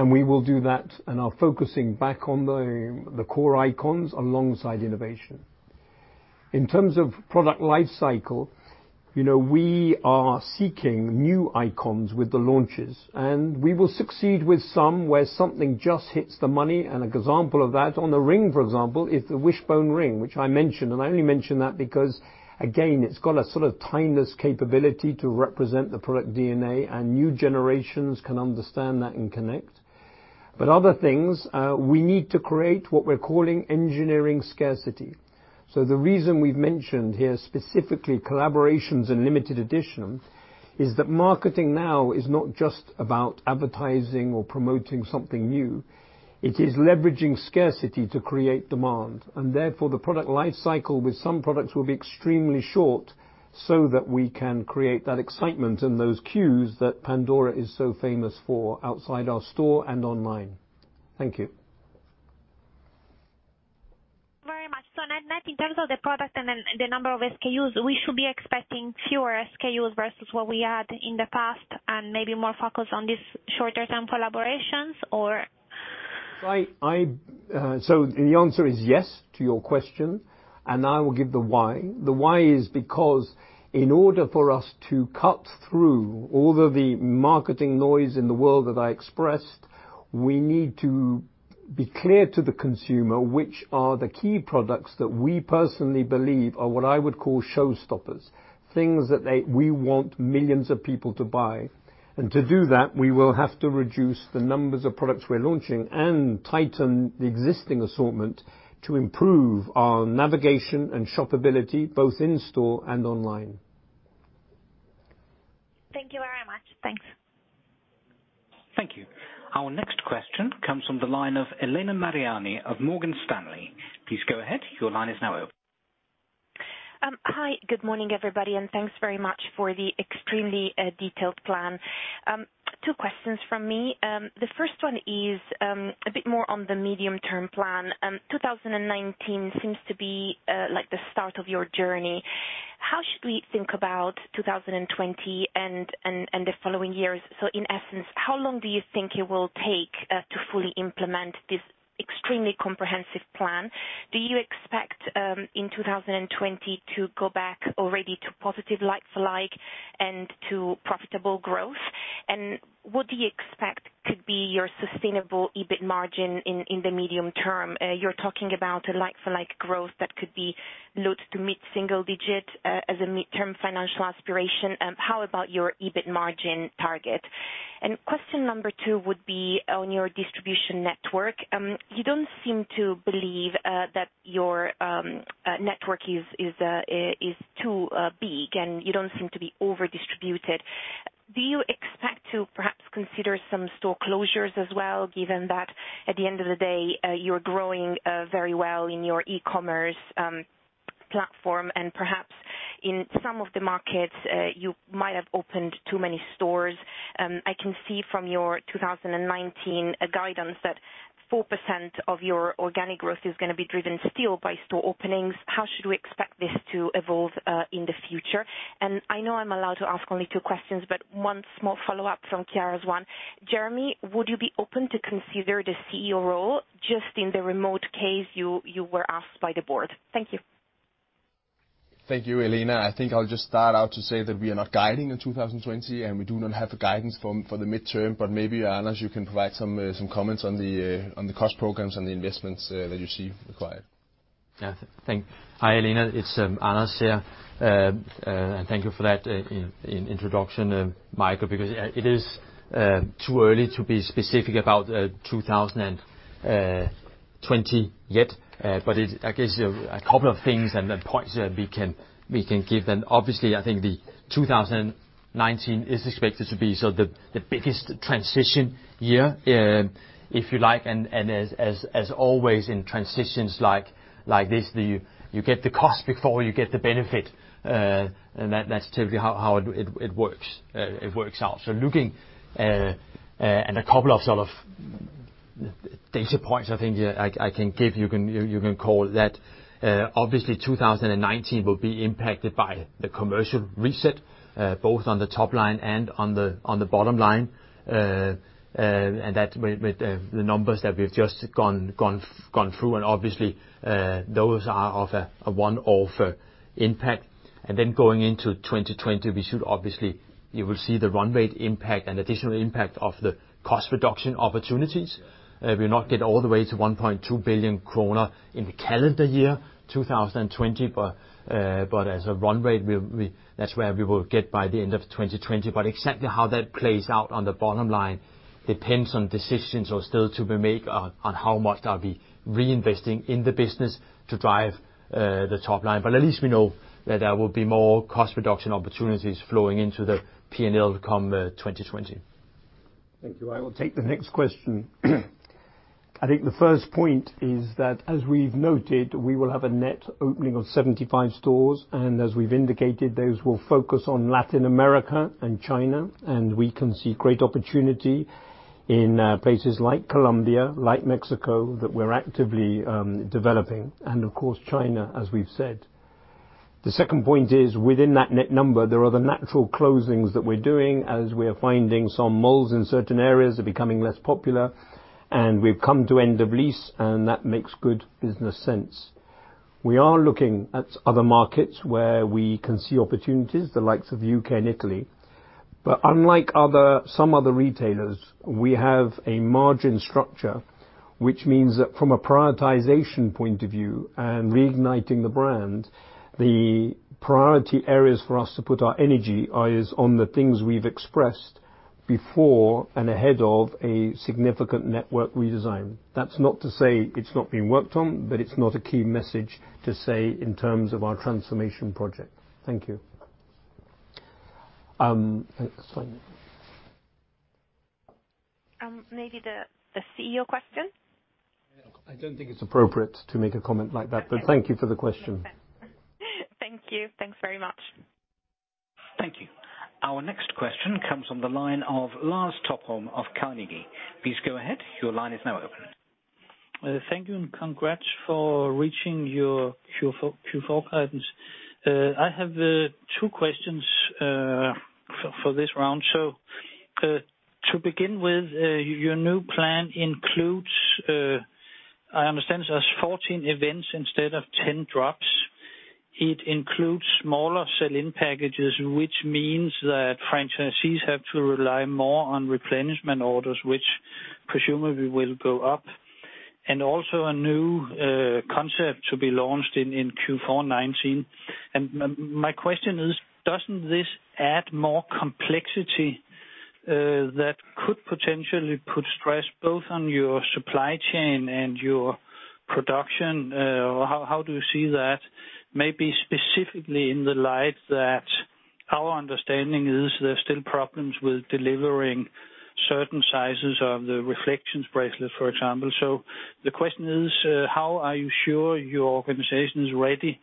And we will do that and are focusing back on the core icons alongside innovation. In terms of product life cycle, you know, we are seeking new icons with the launches, and we will succeed with some, where something just hits the money. An example of that, on the ring, for example, is the Wishbone ring, which I mentioned, and I only mention that because, again, it's got a sort of timeless capability to represent the product DNA, and new generations can understand that and connect. But other things, we need to create what we're calling engineering scarcity. The reason we've mentioned here, specifically collaborations and limited edition, is that marketing now is not just about advertising or promoting something new. It is leveraging scarcity to create demand, and therefore, the product life cycle with some products will be extremely short, so that we can create that excitement and those queues that Pandora is so famous for outside our store and online. Thank you. Very much. So net, net in terms of the product and then the number of SKUs, we should be expecting fewer SKUs versus what we had in the past and maybe more focus on these shorter-term collaborations, or? So the answer is yes to your question, and I will give the why. The why is because in order for us to cut through all of the marketing noise in the world that I expressed, we need to be clear to the consumer, which are the key products that we personally believe are what I would call showstoppers, things that they, we want millions of people to buy. And to do that, we will have to reduce the numbers of products we're launching and tighten the existing assortment to improve our navigation and shopability, both in-store and online. Thank you very much. Thanks. Thank you. Our next question comes from the line of Elena Mariani of Morgan Stanley. Please go ahead. Your line is now open. ... Hi, good morning, everybody, and thanks very much for the extremely detailed plan. Two questions from me. The first one is a bit more on the medium-term plan. 2019 seems to be like the start of your journey. How should we think about 2020 and the following years? So in essence, how long do you think it will take to fully implement this extremely comprehensive plan? Do you expect in 2020 to go back already to positive like-for-like and to profitable growth? And what do you expect could be your sustainable EBIT margin in the medium term? You're talking about a like-for-like growth that could be low- to mid-single-digit as a midterm financial aspiration. How about your EBIT margin target? Question number two would be on your distribution network. You don't seem to believe that your network is too big, and you don't seem to be over-distributed. Do you expect to perhaps consider some store closures as well, given that at the end of the day, you're growing very well in your e-commerce platform, and perhaps in some of the markets, you might have opened too many stores? I can see from your 2019 guidance, that 4% of your organic growth is gonna be driven still by store openings. How should we expect this to evolve in the future? And I know I'm allowed to ask only two questions, but one small follow-up from the CEO one. Jeremy, would you be open to consider the CEO role, just in the remote case you were asked by the board? Thank you. Thank you, Elena. I think I'll just start out to say that we are not guiding in 2020, and we do not have a guidance for the midterm, but maybe, Anders, you can provide some comments on the cost programs and the investments that you see required. Yeah. Thanks— Hi, Elena, it's Anders here. And thank you for that introduction, Michael, because, yeah, it is too early to be specific about 2020 yet. But it... I guess a couple of things and then points that we can give. And obviously, I think 2019 is expected to be the biggest transition year, if you like, and as always, in transitions like this, you get the cost before you get the benefit. And that, that's typically how it works out. So looking and a couple of sort of data points, I think, yeah, I can give you. You can call that. Obviously, 2019 will be impacted by the Commercial Reset, both on the top line and on the bottom line. And that with the numbers that we've just gone through, and obviously, those are of a one-off impact. And then going into 2020, we should obviously, you will see the run rate impact and additional impact of the cost reduction opportunities. We'll not get all the way to 1.2 billion kroner in the calendar year 2020, but as a run rate, we—That's where we will get by the end of 2020. But exactly how that plays out on the bottom line, depends on decisions are still to be made on, on how much I'll be reinvesting in the business to drive the top line. But at least we know that there will be more cost reduction opportunities flowing into the P&L come 2020. Thank you. I will take the next question. I think the first point is that, as we've noted, we will have a net opening of 75 stores, and as we've indicated, those will focus on Latin America and China. And we can see great opportunity in places like Colombia, like Mexico, that we're actively developing, and of course, China, as we've said. The second point is, within that net number, there are the natural closings that we're doing, as we are finding some malls in certain areas are becoming less popular, and we've come to end of lease, and that makes good business sense. We are looking at other markets where we can see opportunities, the likes of U.K. and Italy. But unlike other, some other retailers, we have a margin structure, which means that from a prioritization point of view and reigniting the brand, the priority areas for us to put our energy is on the things we've expressed before and ahead of a significant network redesign. That's not to say it's not being worked on, but it's not a key message to say in terms of our transformation project. Thank you. Next one. Maybe the CEO question? I don't think it's appropriate to make a comment like that, but thank you for the question. Thank you. Thanks very much. Thank you. Our next question comes from the line of Lars Topholm of Carnegie. Please go ahead, your line is now open. Thank you, and congrats for reaching your Q4 guidance. I have 2 questions for this round. So, to begin with, your new plan includes, I understand it has 14 events instead of 10 drops. It includes smaller sell-in packages, which means that franchisees have to rely more on replenishment orders, which presumably will go up, and also a new concept to be launched in Q4 2019. And my question is: Doesn't this add more complexity that could potentially put stress both on your supply chain and your production? How do you see that? Maybe specifically in the light that... Our understanding is there are still problems with delivering certain sizes of the Reflexions bracelet, for example. So the question is, how are you sure your organization is ready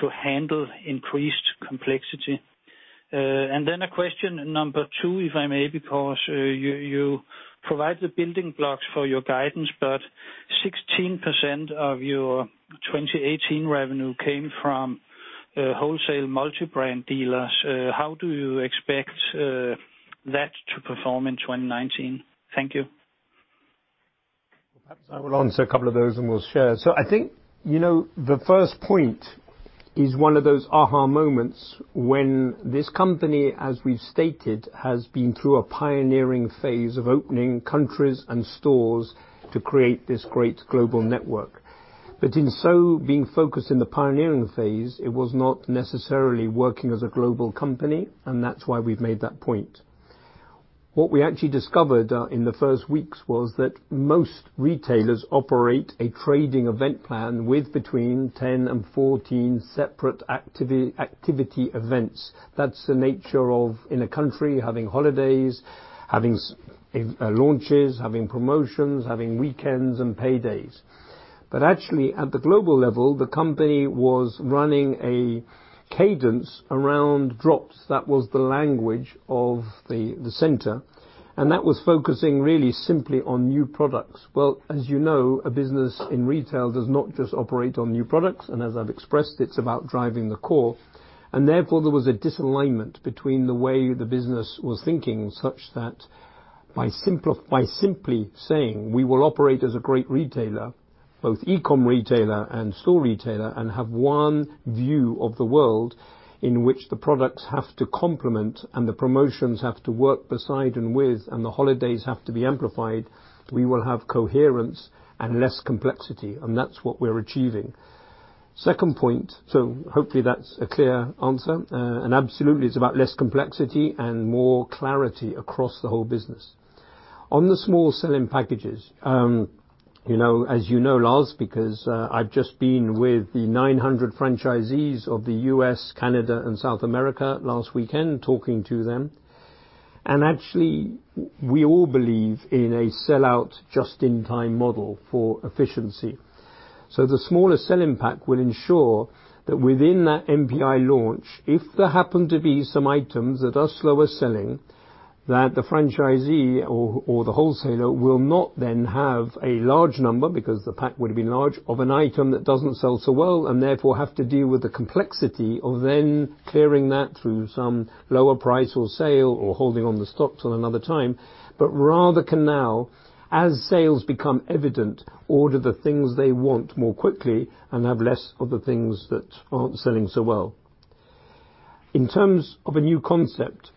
to handle increased complexity? And then a question number 2, if I may, because you provide the building blocks for your guidance, but 16% of your 2018 revenue came from wholesale multi-brand dealers. How do you expect that to perform in 2019? Thank you. Perhaps I will answer a couple of those, and we'll share. So I think, you know, the first point is one of those aha moments when this company, as we've stated, has been through a pioneering phase of opening countries and stores to create this great global network. But in so being focused in the pioneering phase, it was not necessarily working as a global company, and that's why we've made that point. What we actually discovered in the first weeks was that most retailers operate a trading event plan with between 10 and 14 separate activity events. That's the nature of, in a country, having holidays, having launches, having promotions, having weekends and paydays. But actually, at the global level, the company was running a cadence around drops. That was the language of, the center, and that was focusing really simply on new products. Well, as you know, a business in retail does not just operate on new products, and as I've expressed, it's about driving the core. And therefore, there was a disalignment between the way the business was thinking, such that by simply saying, we will operate as a great retailer, both e-com retailer and store retailer, and have one view of the world in which the products have to complement and the promotions have to work beside and with, and the holidays have to be amplified, we will have coherence and less complexity, and that's what we're achieving. Second point... So hopefully that's a clear answer, and absolutely, it's about less complexity and more clarity across the whole business. On the small sell-in packages, you know, as you know, Lars, because I've just been with the 900 franchisees of the US, Canada, and South America last weekend, talking to them, and actually, we all believe in a sell-out, just-in-time model for efficiency. So the smaller sell-in pack will ensure that within that NPI launch, if there happen to be some items that are slower selling, that the franchisee or the wholesaler will not then have a large number, because the pack would have been large, of an item that doesn't sell so well, and therefore, have to deal with the complexity of then clearing that through some lower price or sale or holding on the stocks till another time, but rather can now, as sales become evident, order the things they want more quickly and have less of the things that aren't selling so well. In terms of a new concept,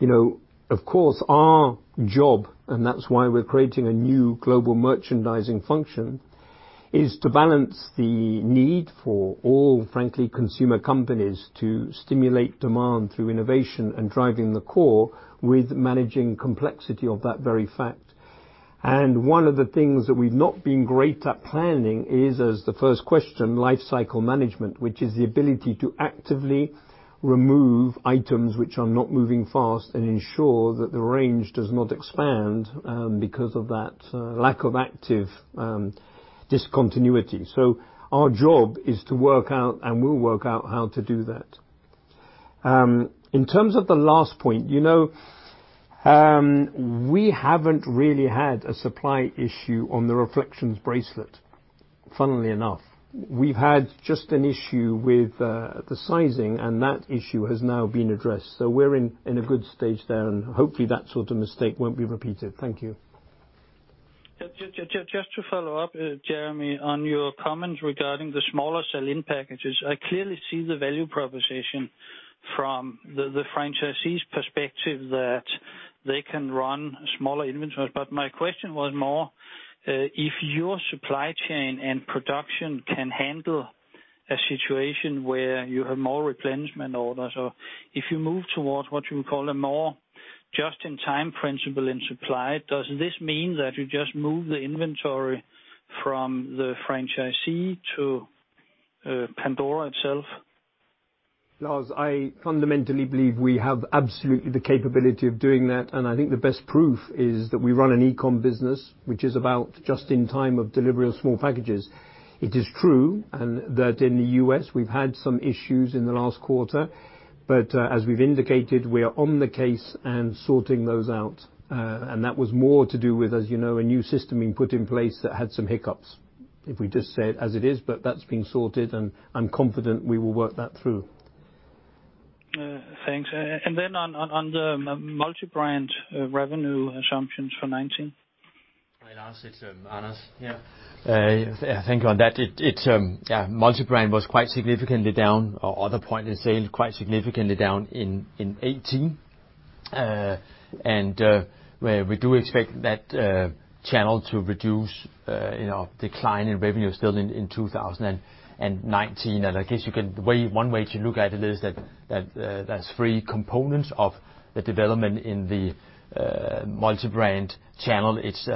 you know, of course, our job, and that's why we're creating a new global merchandising function, is to balance the need for all, frankly, consumer companies to stimulate demand through innovation and driving the core with managing complexity of that very fact. And one of the things that we've not been great at planning is, as the first question, life cycle management, which is the ability to actively remove items which are not moving fast and ensure that the range does not expand because of that lack of active discontinuity. So our job is to work out, and we'll work out how to do that. In terms of the last point, you know, we haven't really had a supply issue on the Reflexions bracelet, funnily enough. We've had just an issue with the sizing, and that issue has now been addressed, so we're in a good stage there, and hopefully, that sort of mistake won't be repeated. Thank you. Just to follow up, Jeremy, on your comments regarding the smaller sell-in packages, I clearly see the value proposition from the franchisee's perspective that they can run smaller inventories. But my question was more if your supply chain and production can handle a situation where you have more replenishment orders, or if you move towards what you call a more just-in-time principle in supply, does this mean that you just move the inventory from the franchisee to Pandora itself? Lars, I fundamentally believe we have absolutely the capability of doing that, and I think the best proof is that we run an e-com business, which is about just in time of delivery of small packages. It is true, and that in the U.S., we've had some issues in the last quarter, but, as we've indicated, we are on the case and sorting those out. And that was more to do with, as you know, a new system being put in place that had some hiccups, if we just say it as it is, but that's been sorted, and I'm confident we will work that through. Thanks. And then on the multi-brand revenue assumptions for 2019. Hi, Lars, it's Anders, yeah. I think on that, yeah, multi-brand was quite significantly down, or other point of sale, quite significantly down in 2018. And well, we do expect that channel to reduce, you know, decline in revenue still in 2019. And I guess one way to look at it is that that's three components of the development in the multi-brand channel. It's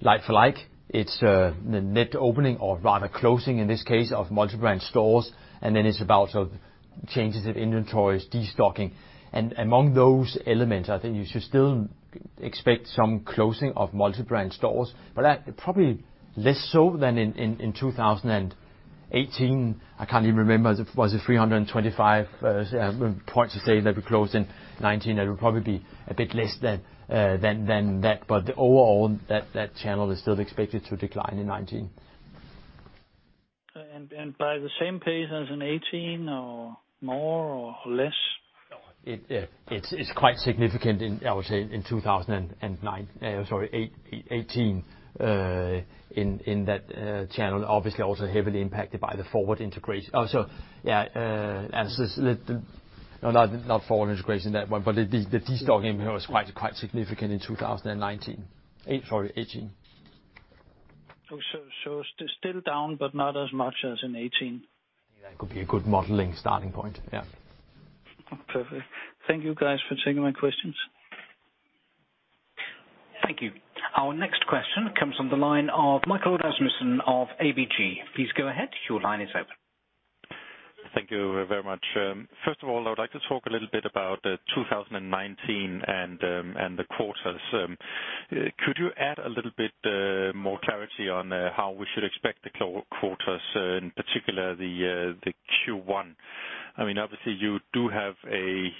like-for-like, it's a net opening or rather closing, in this case, of multi-brand stores, and then it's about changes in inventories, destocking. And among those elements, I think you should still expect some closing of multi-brand stores, but that probably less so than in 2018. I can't even remember, was it 325 points of sale that we closed in 2019? It will probably be a bit less than that, but overall, that channel is still expected to decline in 2019. By the same pace as in 2018, or more, or less? It's quite significant in, I would say, in 2009, sorry, 2018, in that channel. Obviously, also heavily impacted by the forward integration. Also, as the... Not forward integration, that one, but the destocking was quite significant in 2019, sorry, 2018. So, still down, but not as much as in 2018. That could be a good modeling starting point, yeah. Perfect. Thank you, guys, for taking my questions. Thank you. Our next question comes from the line of Michael Rasmussen of ABG. Please go ahead. Your line is open. Thank you very much. First of all, I would like to talk a little bit about 2019 and the quarters. Could you add a little bit more clarity on how we should expect the quarters, in particular, the Q1? I mean, obviously, you do have a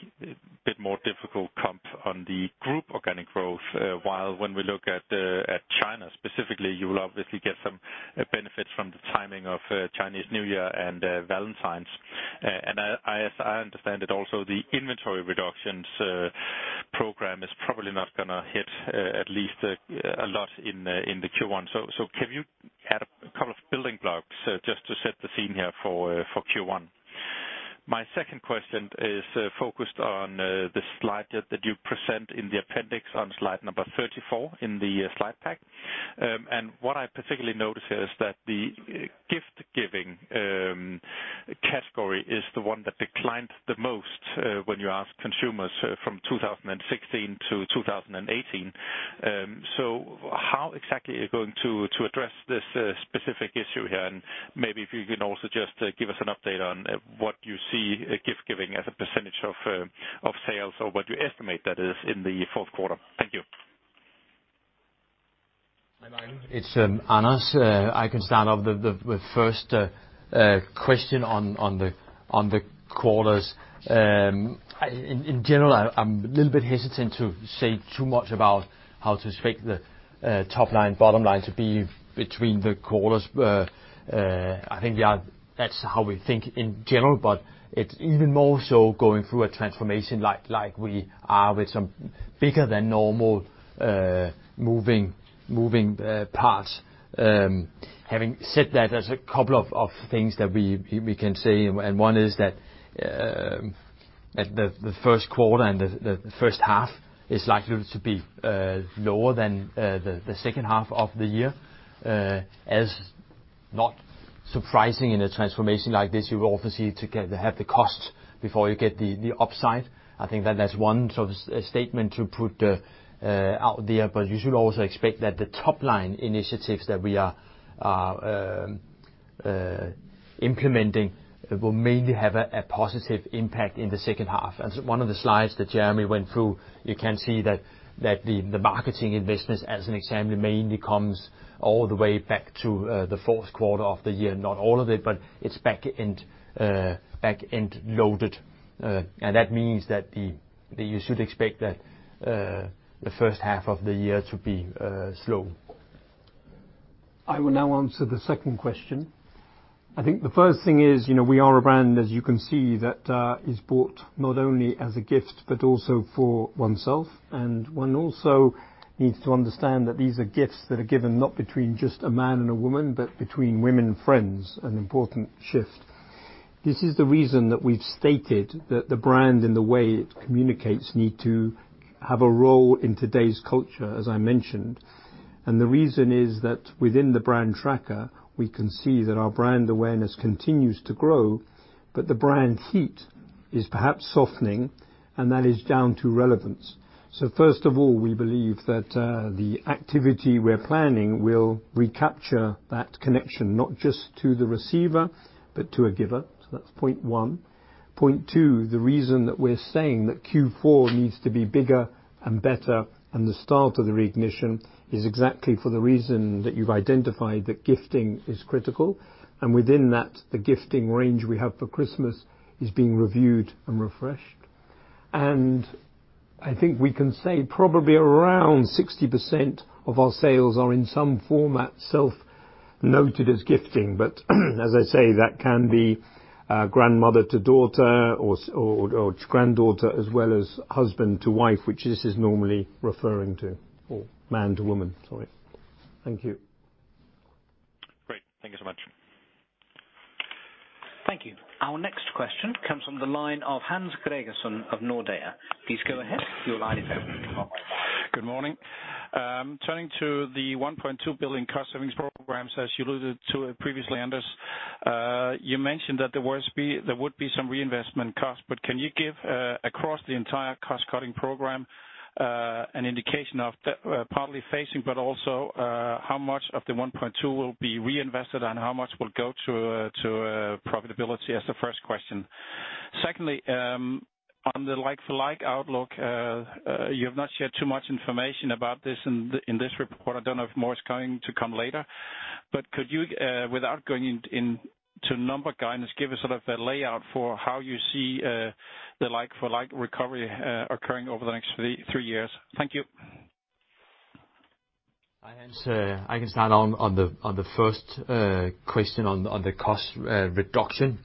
bit more difficult comp on the group organic growth, while when we look at China specifically, you will obviously get some benefits from the timing of Chinese New Year and Valentine's. And as I understand it, also, the inventory reductions program is probably not gonna hit, at least a lot in the Q1. So can you add a couple of building blocks just to set the scene here for Q1? My second question is focused on the slide that you present in the appendix on slide number 34 in the slide pack. What I particularly notice here is that the gift-giving category is the one that declined the most when you ask consumers from 2016 to 2018. How exactly are you going to address this specific issue here? And maybe if you can also just give us an update on what you see gift-giving as a percentage of sales, or what you estimate that is in the Q4. Thank you. It's Anders. I can start off the first question on the quarters. In general, I'm a little bit hesitant to say too much about how to expect the top line, bottom line to be between the quarters. I think that's how we think in general, but it's even more so going through a transformation like we are with some bigger than normal moving parts. Having said that, there's a couple of things that we can say, and one is that the Q1 and the first half is likely to be lower than the second half of the year. It's not surprising in a transformation like this, you will obviously get the costs before you get the upside. I think that that's one sort of statement to put out there, but you should also expect that the top line initiatives that we are implementing will mainly have a positive impact in the second half. As one of the slides that Jeremy went through, you can see that the marketing investments as an example, mainly comes all the way back to the Q4 of the year. Not all of it, but it's back end loaded. And that means that you should expect the first half of the year to be slow. I will now answer the second question. I think the first thing is, you know, we are a brand, as you can see, that is bought not only as a gift, but also for oneself, and one also needs to understand that these are gifts that are given not between just a man and a woman, but between women friends, an important shift. This is the reason that we've stated that the brand and the way it communicates need to have a role in today's culture, as I mentioned. And the reason is that within the brand tracker, we can see that our brand awareness continues to grow, but the brand heat is perhaps softening, and that is down to relevance. So first of all, we believe that the activity we're planning will recapture that connection, not just to the receiver, but to a giver. So that's point one. Point two, the reason that we're saying that Q4 needs to be bigger and better, and the start of the reignition, is exactly for the reason that you've identified that gifting is critical, and within that, the gifting range we have for Christmas is being reviewed and refreshed. And I think we can say probably around 60% of our sales are, in some format, self-noted as gifting, but as I say, that can be, grandmother to daughter or, or, or granddaughter, as well as husband to wife, which this is normally referring to, or man to woman, sorry. Thank you. Great. Thank you so much. Thank you. Our next question comes from the line of Hans Gregersen of Nordea. Please go ahead. Your line is open. Good morning. Turning to the 1.2 billion cost savings programs, as you alluded to previously, Anders, you mentioned that there would be some reinvestment.... But can you give across the entire cost-cutting program an indication of the partly facing, but also how much of the 1.2 will be reinvested, and how much will go to profitability? That's the first question. Secondly, on the like-for-like outlook, you have not shared too much information about this in this report. I don't know if more is going to come later. But could you, without going into number guidance, give us sort of a layout for how you see the like-for-like recovery occurring over the next three years? Thank you. I answer, I can start on the first question on the cost reduction.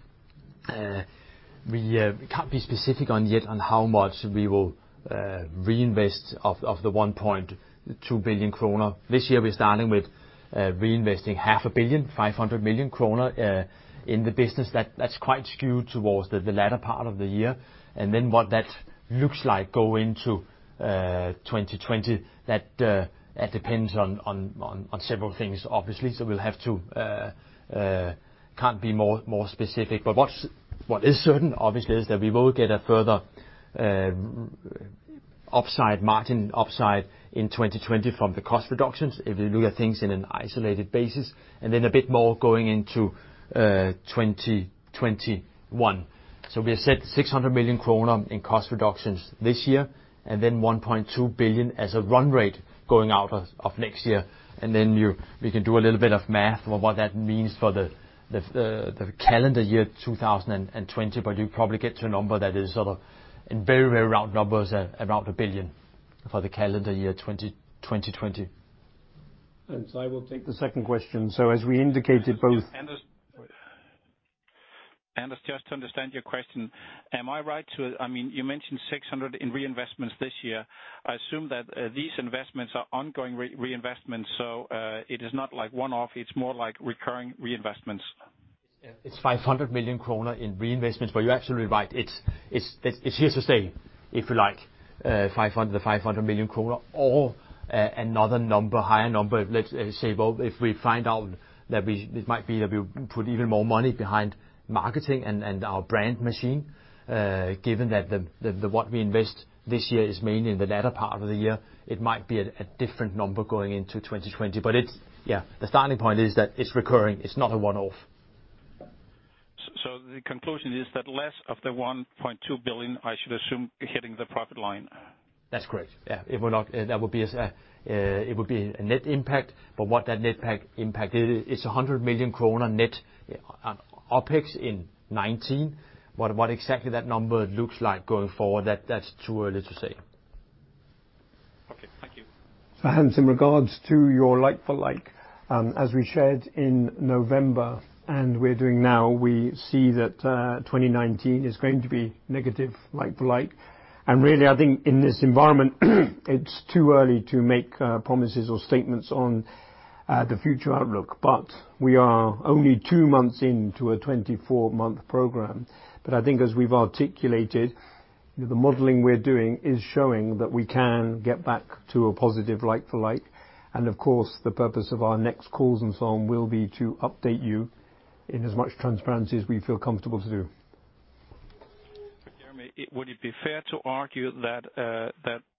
We can't be specific yet on how much we will reinvest of the 1.2 billion kroner. This year, we're starting with reinvesting half a billion, five hundred million kroner, in the business. That's quite skewed towards the latter part of the year. And then what that looks like going into 2020, that depends on several things, obviously. So we'll have to, can't be more specific. But what is certain, obviously, is that we will get a further upside, margin upside in 2020 from the cost reductions, if you look at things in an isolated basis, and then a bit more going into 2021. We have set 600 million kroner in cost reductions this year, and then 1.2 billion as a run rate going out of next year. And then you, we can do a little bit of math on what that means for the the calendar year 2020, but you probably get to a number that is sort of, in very, very round numbers, around 1 billion for the calendar year 2020. I will take the second question. As we indicated, both- Anders, Anders, just to understand your question, am I right to... I mean, you mentioned 600 in reinvestments this year. I assume that, these investments are ongoing reinvestments, so, it is not like one-off, it's more like recurring reinvestments. It's 500 million kroner in reinvestments, but you're absolutely right. It's here to stay, if you like, five hundred, the 500 million kroner or another number, higher number. Let's say, well, if we find out that we, it might be that we put even more money behind marketing and our brand machine, given that what we invest this year is mainly in the latter part of the year, it might be a different number going into 2020. But it's, yeah, the starting point is that it's recurring, it's not a one-off. So the conclusion is that less of the 1.2 billion, I should assume, hitting the profit line? That's correct. Yeah, it will not... That would be a, it would be a net impact, but what that net impact is, it's 100 million kroner net OpEx in 2019. What exactly that number looks like going forward, that's too early to say. Okay. Thank you. In regards to your like-for-like, as we shared in November, and we're doing now, we see that, 2019 is going to be negative like-for-like. Really, I think in this environment, it's too early to make, promises or statements on, the future outlook, but we are only two months into a 24-month program. But I think as we've articulated, the modeling we're doing is showing that we can get back to a positive like-for-like. Of course, the purpose of our next calls and so on will be to update you in as much transparency as we feel comfortable to do. Jeremy, would it be fair to argue that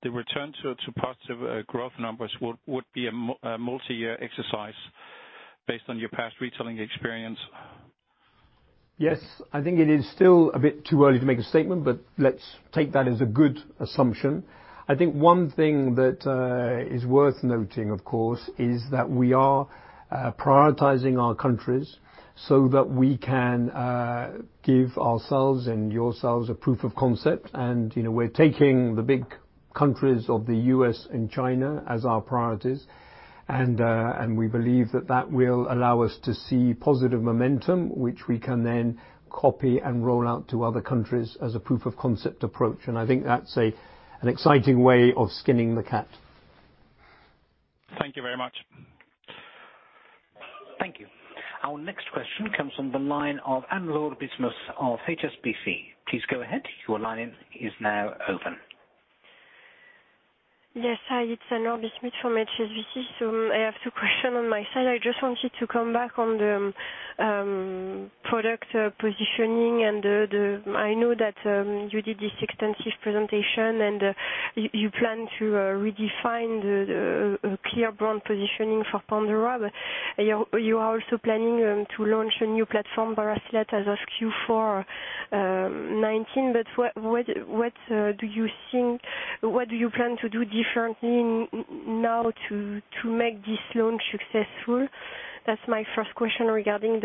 the return to positive growth numbers would be a multi-year exercise based on your past retailing experience? Yes. I think it is still a bit too early to make a statement, but let's take that as a good assumption. I think one thing that is worth noting, of course, is that we are prioritizing our countries so that we can give ourselves and yourselves a proof of concept. And, you know, we're taking the big countries of the U.S. and China as our priorities. And we believe that that will allow us to see positive momentum, which we can then copy and roll out to other countries as a proof of concept approach. And I think that's an exciting way of skinning the cat. Thank you very much. Thank you. Our next question comes from the line of Anne-Laure Bismuth of HSBC. Please go ahead, your line is now open. Yes, hi, it's Anne-Laure Bismuth from HSBC. So I have two question on my side. I just wanted to come back on the product positioning and the. I know that you did this extensive presentation, and you plan to redefine the clear brand positioning for Pandora. But you're also planning to launch a new platform, bracelet, as of Q4 2019. But what do you think, what do you plan to do differently now to make this launch successful? That's my first question regarding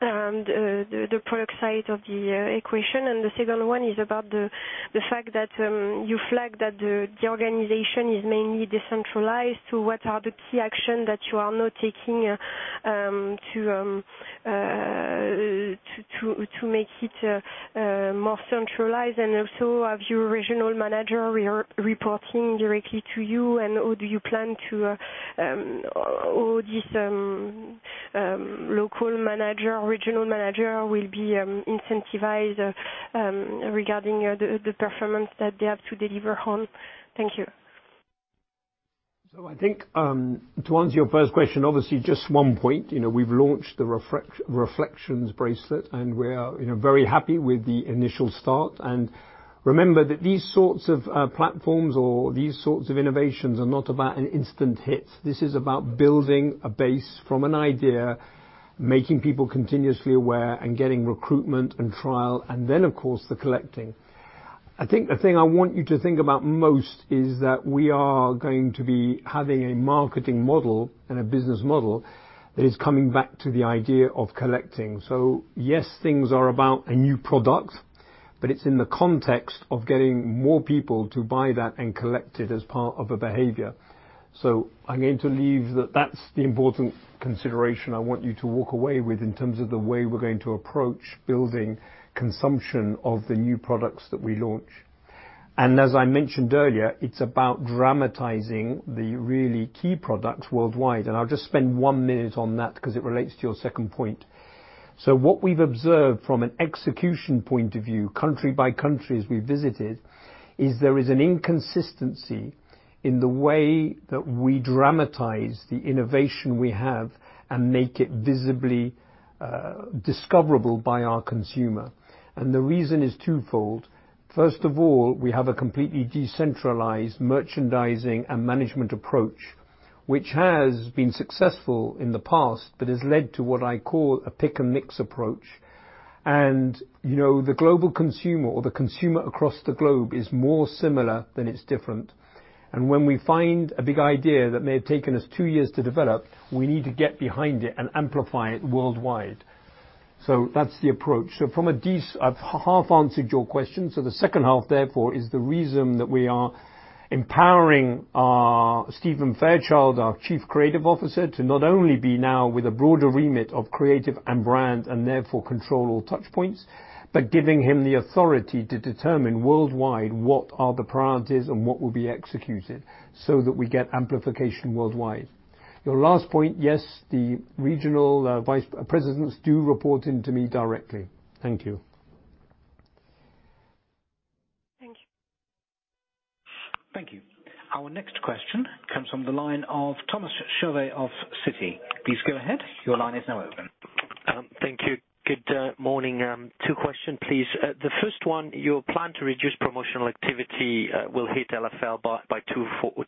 the product side of the equation. And the second one is about the fact that you flagged that the organization is mainly decentralized. So what are the key action that you are now taking to make it more centralized? And also, have your regional manager reporting directly to you, and/or do you plan to or this local manager, regional manager will be incentivized regarding the performance that they have to deliver on? Thank you.... So I think, to answer your first question, obviously, just one point, you know, we've launched the Reflexions bracelet, and we are, you know, very happy with the initial start. And remember that these sorts of platforms or these sorts of innovations are not about an instant hit. This is about building a base from an idea, making people continuously aware, and getting recruitment and trial, and then, of course, the collecting. I think the thing I want you to think about most is that we are going to be having a marketing model and a business model that is coming back to the idea of collecting. So yes, things are about a new product, but it's in the context of getting more people to buy that and collect it as part of a behavior. So I'm going to leave that. That's the important consideration I want you to walk away with in terms of the way we're going to approach building consumption of the new products that we launch. And as I mentioned earlier, it's about dramatizing the really key products worldwide, and I'll just spend one minute on that because it relates to your second point. So what we've observed from an execution point of view, country by country, as we visited, is there is an inconsistency in the way that we dramatize the innovation we have and make it visibly discoverable by our consumer. And the reason is twofold. First of all, we have a completely decentralized merchandising and management approach, which has been successful in the past, but has led to what I call a pick-and-mix approach. And, you know, the global consumer or the consumer across the globe is more similar than it's different. And when we find a big idea that may have taken us two years to develop, we need to get behind it and amplify it worldwide. So that's the approach. So from a—I've half answered your question, so the second half, therefore, is the reason that we are empowering our, Stephen Fairchild, our Chief Creative Officer, to not only be now with a broader remit of creative and brand, and therefore, control all touch points, but giving him the authority to determine worldwide what are the priorities and what will be executed so that we get amplification worldwide. Your last point, yes, the regional vice presidents do report in to me directly. Thank you. Thank you. Thank you. Our next question comes from the line of Thomas Chauvet of Citi. Please go ahead. Your line is now open. Thank you. Good morning. Two questions, please. The first one, your plan to reduce promotional activity, will hit LFL by 2.4-4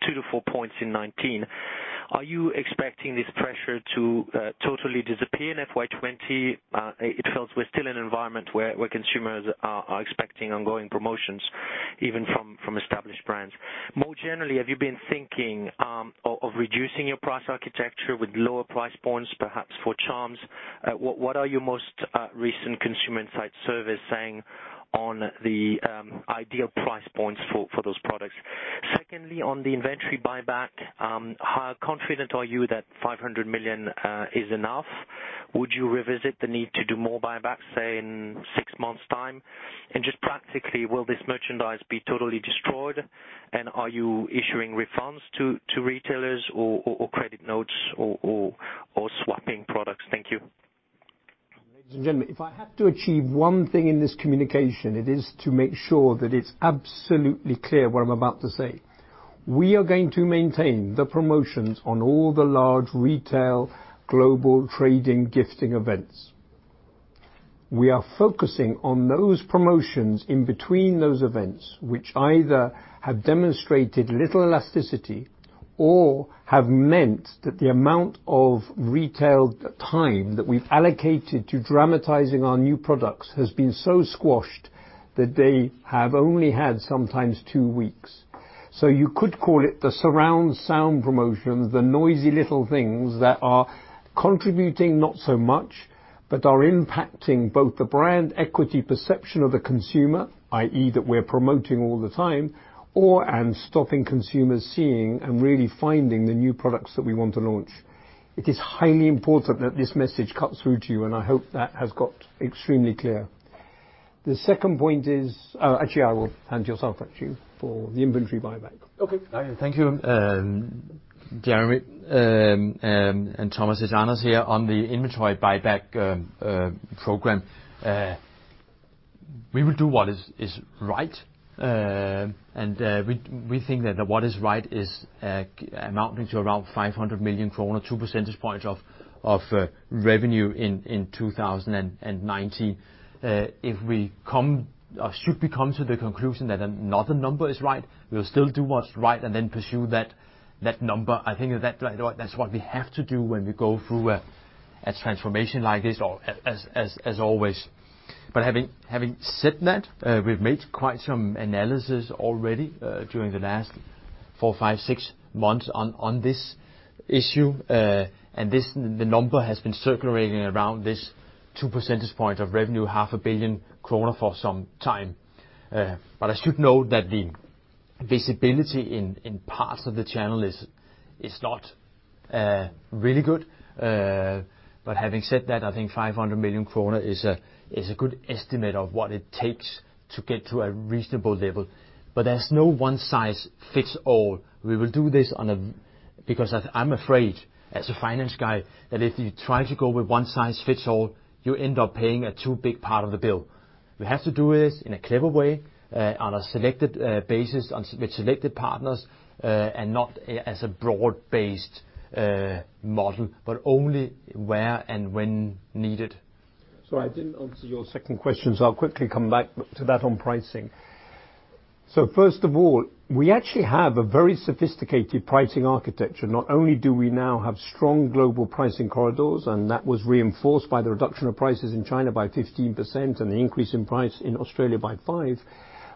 points in 2019. Are you expecting this pressure to totally disappear in FY 2020? It feels we're still in an environment where consumers are expecting ongoing promotions, even from established brands. More generally, have you been thinking of reducing your price architecture with lower price points, perhaps for charms? What are your most recent consumer insight surveys saying on the ideal price points for those products? Secondly, on the inventory buyback, how confident are you that 500 million is enough? Would you revisit the need to do more buybacks, say, in six months' time? Just practically, will this merchandise be totally destroyed, and are you issuing refunds to retailers or credit notes or swapping products? Thank you. Ladies and gentlemen, if I have to achieve one thing in this communication, it is to make sure that it's absolutely clear what I'm about to say. We are going to maintain the promotions on all the large retail, global trading, gifting events. We are focusing on those promotions in between those events, which either have demonstrated little elasticity or have meant that the amount of retail time that we've allocated to dramatizing our new products has been so squashed that they have only had sometimes two weeks. So you could call it the surround sound promotions, the noisy little things that are contributing not so much, but are impacting both the brand equity perception of the consumer, i.e., that we're promoting all the time, or, and stopping consumers seeing and really finding the new products that we want to launch. It is highly important that this message cuts through to you, and I hope that has got extremely clear. The second point is... Actually, I will hand you over to you for the inventory buyback. Okay. Thank you, Jeremy, and Thomas. It's Anders here. On the inventory buyback program, we will do what is right, and we think that what is right is amounting to around 500 million kroner, two percentage points of revenue in 2019. If we come or should we come to the conclusion that another number is right, we'll still do what's right and then pursue that number. I think that's what we have to do when we go through a transformation like this or as always. But having said that, we've made quite some analysis already during the last 4, 5, 6 months on this issue, and the number has been circulating around this 2 percentage points of revenue, 500 million kroner for some time. But I should note that the visibility in parts of the channel is not really good. But having said that, I think 500 million kroner is a good estimate of what it takes to get to a reasonable level. But there's no one-size-fits-all. We will do this on a... Because I'm afraid, as a finance guy, that if you try to go with one-size-fits-all, you end up paying a too big part of the bill. We have to do this in a clever way, on a selected basis, with selected partners, and not as a broad-based model, but only where and when needed. So I didn't answer your second question, so I'll quickly come back to that on pricing. So first of all, we actually have a very sophisticated pricing architecture. Not only do we now have strong global pricing corridors, and that was reinforced by the reduction of prices in China by 15% and the increase in price in Australia by 5,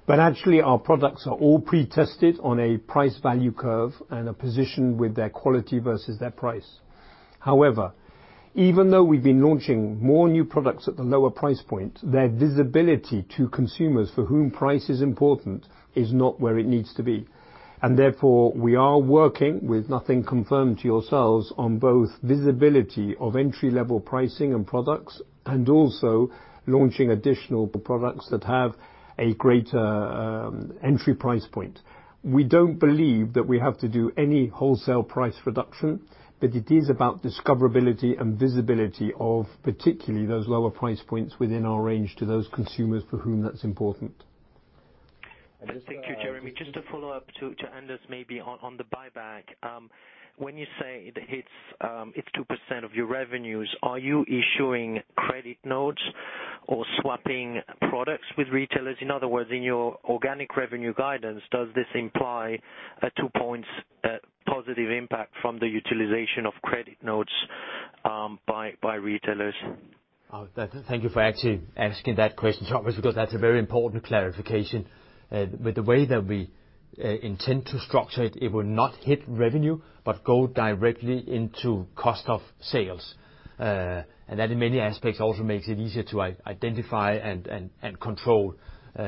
but actually, our products are all pre-tested on a price value curve and are positioned with their quality versus their price. However, even though we've been launching more new products at the lower price point, their visibility to consumers for whom price is important is not where it needs to be. And therefore, we are working, with nothing confirmed to yourselves, on both visibility of entry-level pricing and products, and also launching additional products that have a greater entry price point. We don't believe that we have to do any wholesale price reduction, but it is about discoverability and visibility of particularly those lower price points within our range to those consumers for whom that's important. Thank you, Jeremy. Just to follow up to Anders, maybe on the buyback. When you say it hits, it's 2% of your revenues, are you issuing credit notes or swapping products with retailers? In other words, in your organic revenue guidance, does this imply a 2 points positive impact from the utilization of credit notes by retailers? Thank you for actually asking that question, Thomas, because that's a very important clarification. With the way that we intend to structure it, it will not hit revenue, but go directly into cost of sales. And that, in many aspects, also makes it easier to identify and control,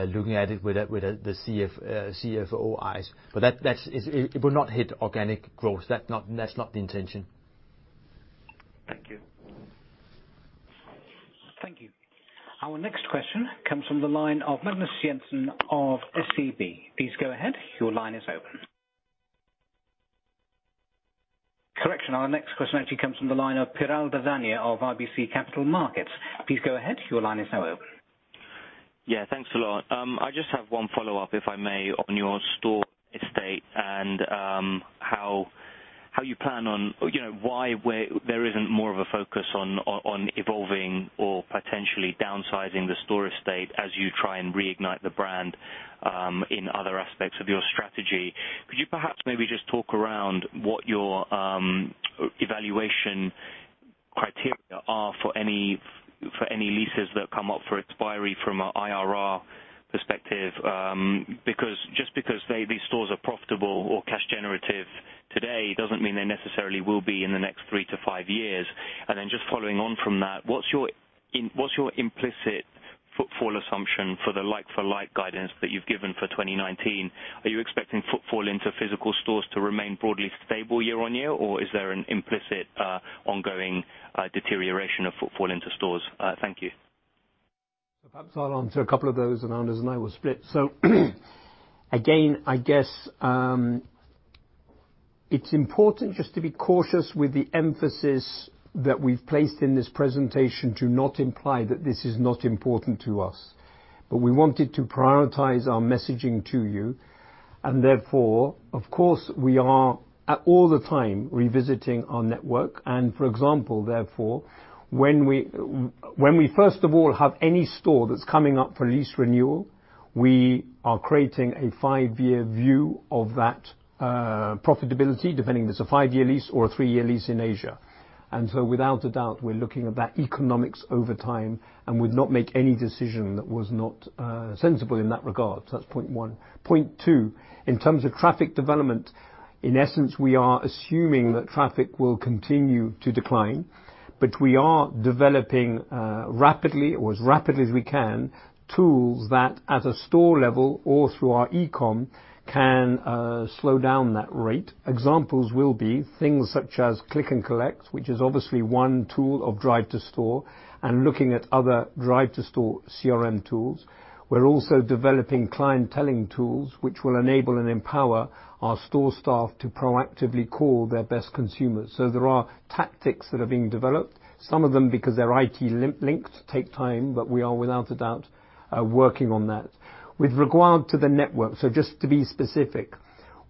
looking at it with the CFO eyes. But that's it, it will not hit organic growth. That's not the intention. Thank you. Thank you. Our next question comes from the line of Magnus Jensen of SEB. Please go ahead. Your line is open. Correction, our next question actually comes from the line of Piral Dadhania of RBC Capital Markets. Please go ahead. Your line is now open. Yeah, thanks a lot. I just have one follow-up, if I may, on your store estate and how you plan on— You know, why, where there isn't more of a focus on evolving or potentially downsizing the store estate as you try and reignite the brand in other aspects of your strategy? Could you perhaps maybe just talk around what your evaluation criteria are for any leases that come up for expiry from an IRR perspective? Because just because they, these stores are profitable or cash generative today, doesn't mean they necessarily will be in the next three to five years. And then just following on from that, what's your implicit footfall assumption for the like-for-like guidance that you've given for 2019? Are you expecting footfall into physical stores to remain broadly stable year-on-year, or is there an implicit, ongoing, deterioration of footfall into stores? Thank you. Perhaps I'll answer a couple of those, and Anders and I will split. So, again, I guess, it's important just to be cautious with the emphasis that we've placed in this presentation to not imply that this is not important to us. But we wanted to prioritize our messaging to you, and therefore, of course, we are, at all the time, revisiting our network. And for example, therefore, when we first of all have any store that's coming up for lease renewal, we are creating a five-year view of that, profitability, depending if it's a five-year lease or a three-year lease in Asia. And so without a doubt, we're looking at that economics over time and would not make any decision that was not, sensible in that regard. So that's point one. Point two, in terms of traffic development, in essence, we are assuming that traffic will continue to decline, but we are developing rapidly or as rapidly as we can, tools that at a store level or through our e-com, can slow down that rate. Examples will be things such as Click & Collect, which is obviously one tool of drive to store, and looking at other drive to store CRM tools. We're also developing clienteling tools, which will enable and empower our store staff to proactively call their best consumers. So there are tactics that are being developed, some of them because they're IT linked, take time, but we are without a doubt working on that. With regard to the network, so just to be specific,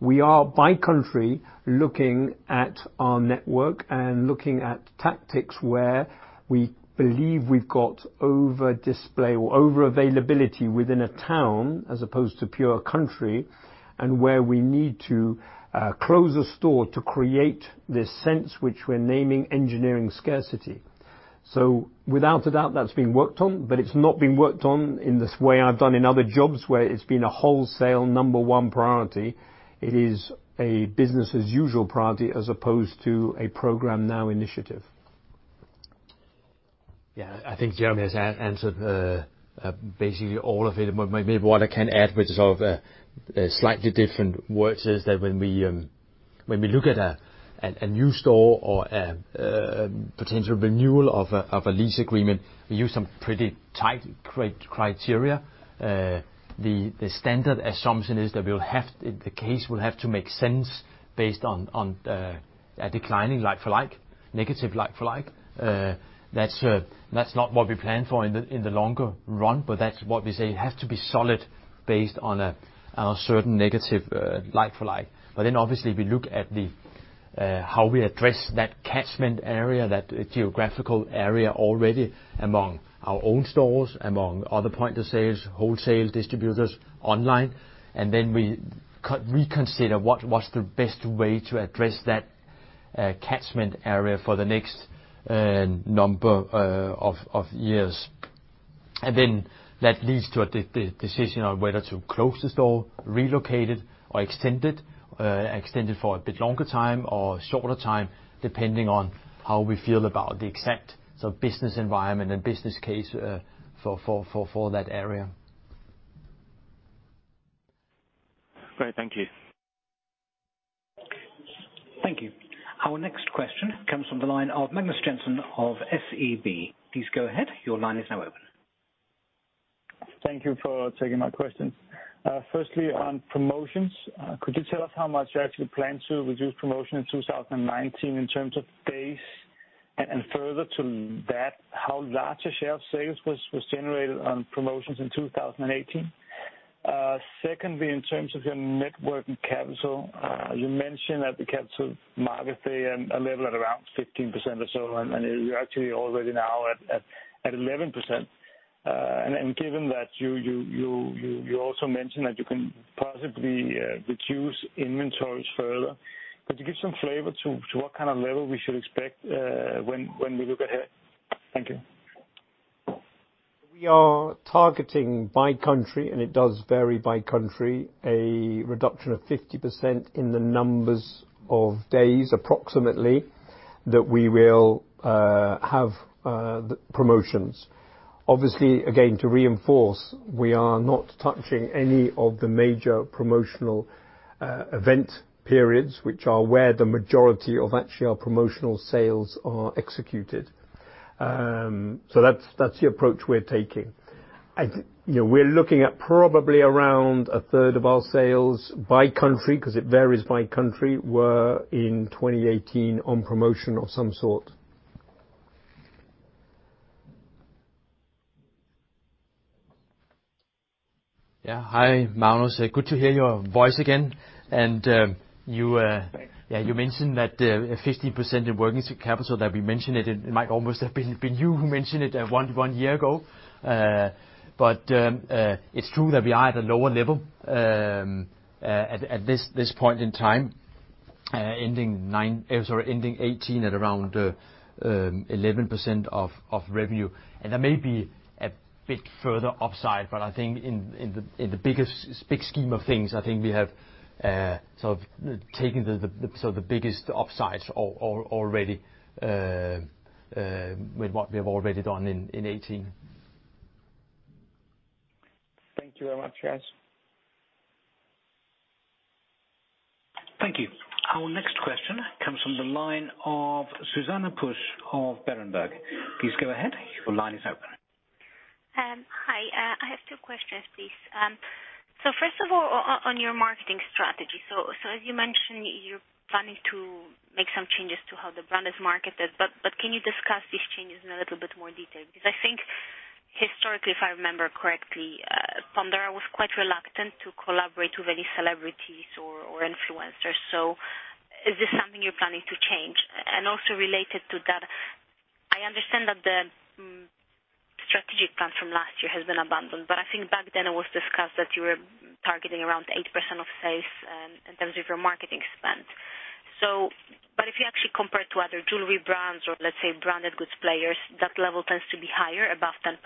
we are, by country, looking at our network and looking at tactics where we believe we've got over display or over availability within a town, as opposed to pure country, and where we need to close a store to create this sense, which we're naming engineering scarcity. So without a doubt, that's being worked on, but it's not being worked on in this way I've done in other jobs, where it's been a wholesale number one priority. It is a business as usual priority as opposed to Programme NOW initiative. Yeah, I think Jeremy has answered, basically all of it. But maybe what I can add, which is of slightly different words, is that when we look at a new store or potential renewal of a lease agreement, we use some pretty tight criteria. The standard assumption is that we'll have the case will have to make sense based on a declining like-for-like, negative like-for-like. That's not what we plan for in the longer run, but that's what we say it has to be solid based on a certain negative like-for-like. But then obviously, we look at how we address that catchment area, that geographical area already among our own stores, among other point of sales, wholesale distributors, online. And then we reconsider what was the best way to address that catchment area for the next number of years. And then that leads to a decision on whether to close the store, relocate it, or extend it for a bit longer time or shorter time, depending on how we feel about the exact sort of business environment and business case for that area. Great. Thank you. Thank you. Our next question comes from the line of Magnus Jensen of SEB. Please go ahead. Your line is now open. Thank you for taking my question. Firstly, on promotions, could you tell us how much you actually plan to reduce promotion in 2019 in terms of days? And further to that, how large a share of sales was generated on promotions in 2018? Secondly, in terms of your network and capital, you mentioned at the capital market day and a level at around 15% or so, and you're actually already now at 11%. And given that, you also mentioned that you can possibly reduce inventories further. Could you give some flavor to what kind of level we should expect when we look ahead? Thank you. We are targeting by country, and it does vary by country, a reduction of 50% in the numbers of days, approximately, that we will have promotions. Obviously, again, to reinforce, we are not touching any of the major promotional event periods, which are where the majority of actually our promotional sales are executed. So that's the approach we're taking. You know, we're looking at probably around a third of our sales by country, because it varies by country, were in 2018 on promotion of some sort. Yeah. Hi, Magnus. Good to hear your voice again. Thanks. Yeah, you mentioned that, 15% in working capital, that we mentioned it, it might almost have been, been you who mentioned it, one year ago. But, it's true that we are at a lower level, at this point in time, ending 2018 at around, eleven percent of revenue. And there may be a bit further upside, but I think in the biggest scheme of things, I think we have sort of taken the, so the biggest upsides already, with what we have already done in 2018. Thank you very much, guys. Thank you. Our next question comes from the line of Zuzanna Pusz of Berenberg. Please go ahead. Your line is open. Hi, I have two questions, please. So first of all, on your marketing strategy. So as you mentioned, you're planning to make some changes to how the brand is marketed, but can you discuss these changes in a little bit more detail? Because I think historically, if I remember correctly, Pandora was quite reluctant to collaborate with any celebrities or influencers. So is this something you're planning to change? And also related to that, I understand that the strategic plan from last year has been abandoned, but I think back then it was discussed that you were targeting around 8% of sales in terms of your marketing spend. So but if you actually compare to other jewelry brands or, let's say, branded goods players, that level tends to be higher, above 10%.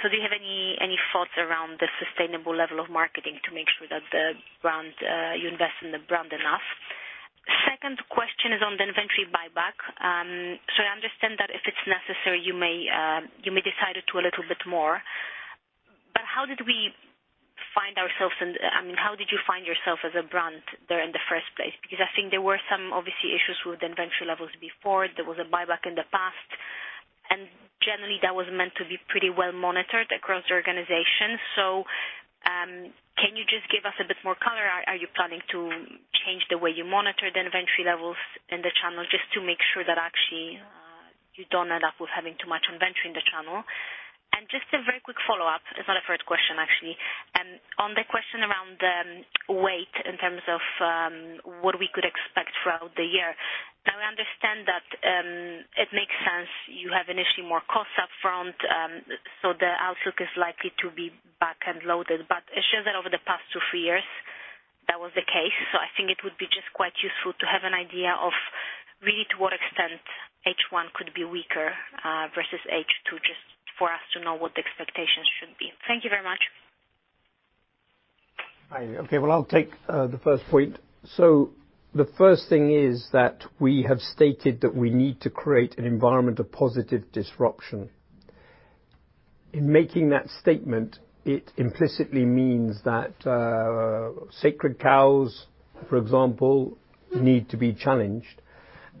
So do you have any thoughts around the sustainable level of marketing to make sure that the brand, you invest in the brand enough? Second question is on the inventory buyback. So I understand that if it's necessary, you may decide to do a little bit more. But how did we find ourselves in the... I mean, how did you find yourself as a brand there in the first place? Because I think there were some, obviously, issues with the inventory levels before. There was a buyback in the past, and generally, that was meant to be pretty well monitored across the organization. So, can you just give us a bit more color? Are you planning to change the way you monitor the inventory levels in the channel, just to make sure that actually you don't end up with having too much inventory in the channel? And just a very quick follow-up. It's not a first question, actually. On the question around weight, in terms of what we could expect throughout the year, I understand that it makes sense you have initially more costs up front, so the outlook is likely to be back and loaded. But it shows that over the past two, three years, that was the case. So I think it would be just quite useful to have an idea of really to what extent H1 could be weaker versus H2, just for us to know what the expectations should be. Thank you very much. Hi. Okay, well, I'll take the first point. So the first thing is that we have stated that we need to create an environment of positive disruption. In making that statement, it implicitly means that sacred cows, for example, need to be challenged,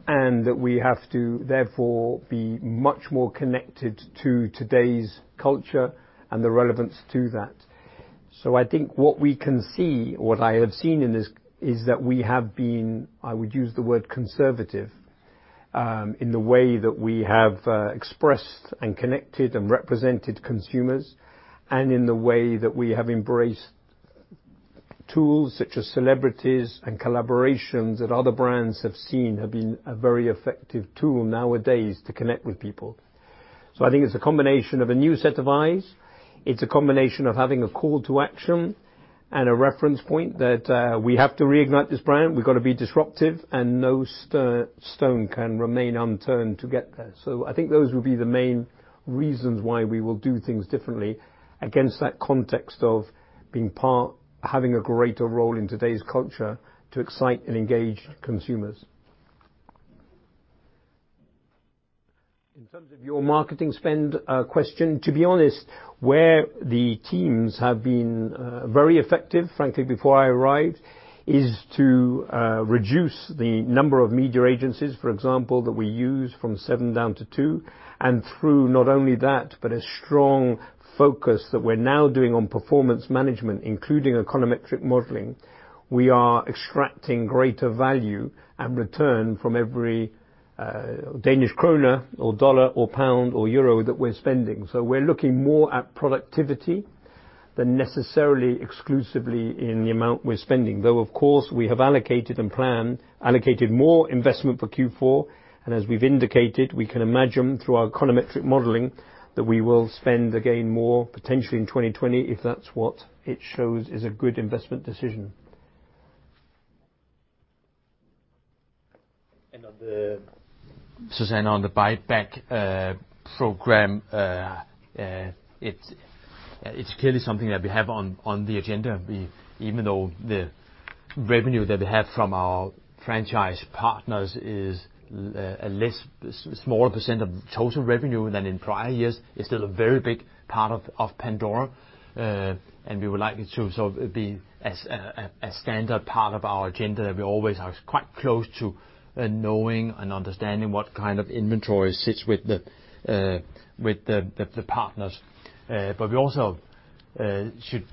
and that we have to therefore be much more connected to today's culture and the relevance to that. So I think what we can see, what I have seen in this, is that we have been. I would use the word conservative... in the way that we have expressed and connected and represented consumers, and in the way that we have embraced tools such as celebrities and collaborations that other brands have seen have been a very effective tool nowadays to connect with people. So I think it's a combination of a new set of eyes. It's a combination of having a call to action and a reference point that, we have to reignite this brand. We've got to be disruptive, and no stone can remain unturned to get there. So I think those will be the main reasons why we will do things differently against that context of being part of having a greater role in today's culture to excite and engage consumers. In terms of your marketing spend question, to be honest, where the teams have been very effective, frankly, before I arrived, is to reduce the number of media agencies, for example, that we use from seven down to two, and through not only that, but a strong focus that we're now doing on performance management, including econometric modeling. We are extracting greater value and return from every Danish kroner or dollar or pound or euro that we're spending. So, we're looking more at productivity than necessarily exclusively in the amount we're spending, though, of course, we have allocated and planned, allocated more investment for Q4, and as we've indicated, we can imagine through our econometric modeling that we will spend again more potentially in 2020, if that's what it shows is a good investment decision. And on the, Zuzanna, on the buyback program, it's clearly something that we have on the agenda. We, even though the revenue that we have from our franchise partners is a less, a smaller percent of total revenue than in prior years, it's still a very big part of Pandora. And we would like it to sort of be as a standard part of our agenda, that we always are quite close to knowing and understanding what kind of inventory sits with the partners. But we also should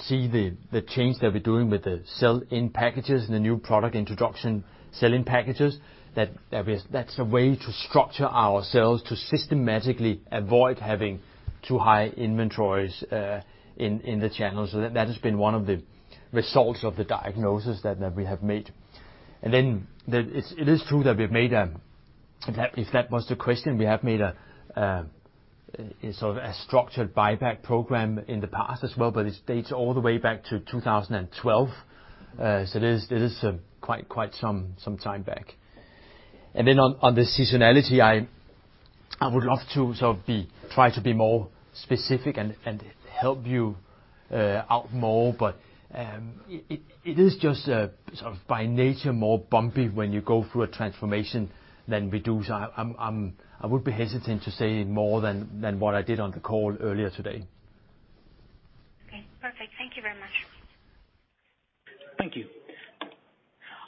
see the change that we're doing with the sell-in packages and the new product introduction, sell-in packages, that is, that's a way to structure ourselves to systematically avoid having too high inventories in the channels. So that has been one of the results of the diagnosis that we have made. And then, it is true that we've made a... If that was the question, we have made a sort of a structured buyback program in the past as well, but this dates all the way back to 2012. So it is quite some time back. And then on the seasonality, I would love to sort of be, try to be more specific and help you out more, but it is just sort of by nature, more bumpy when you go through a transformation than we do. So I would be hesitant to say more than what I did on the call earlier today. Okay, perfect. Thank you very much. Thank you.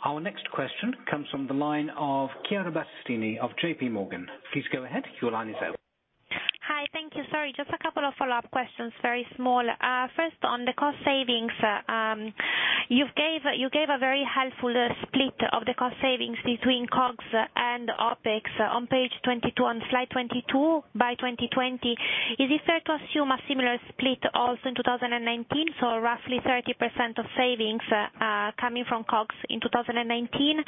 Our next question comes from the line of Chiara Battistini of J.P. Morgan. Please go ahead. Your line is open. Hi, thank you. Sorry, just a couple of follow-up questions, very small. First, on the cost savings, you gave a very helpful split of the cost savings between COGS and OpEx on page 22, on slide 22, by 2020. Is it fair to assume a similar split also in 2019, so roughly 30% of savings coming from COGS in 2019?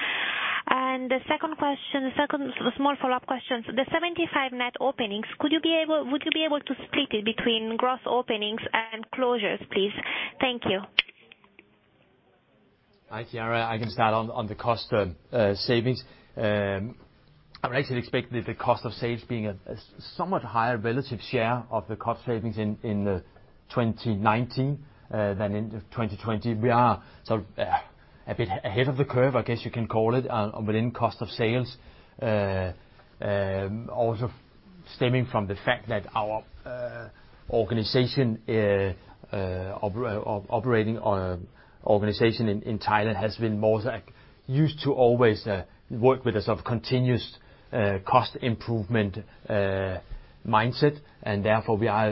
And the second question, the second small follow-up question, the 75 net openings, would you be able to split it between gross openings and closures, please? Thank you. Hi, Chiara, I can start on the cost savings. I would actually expect the cost of sales being a somewhat higher relative share of the cost savings in 2019 than in 2020. We are sort of a bit ahead of the curve, I guess you can call it, within cost of sales. Also stemming from the fact that our organization in Thailand has been more like used to always work with a sort of continuous cost improvement mindset, and therefore, we are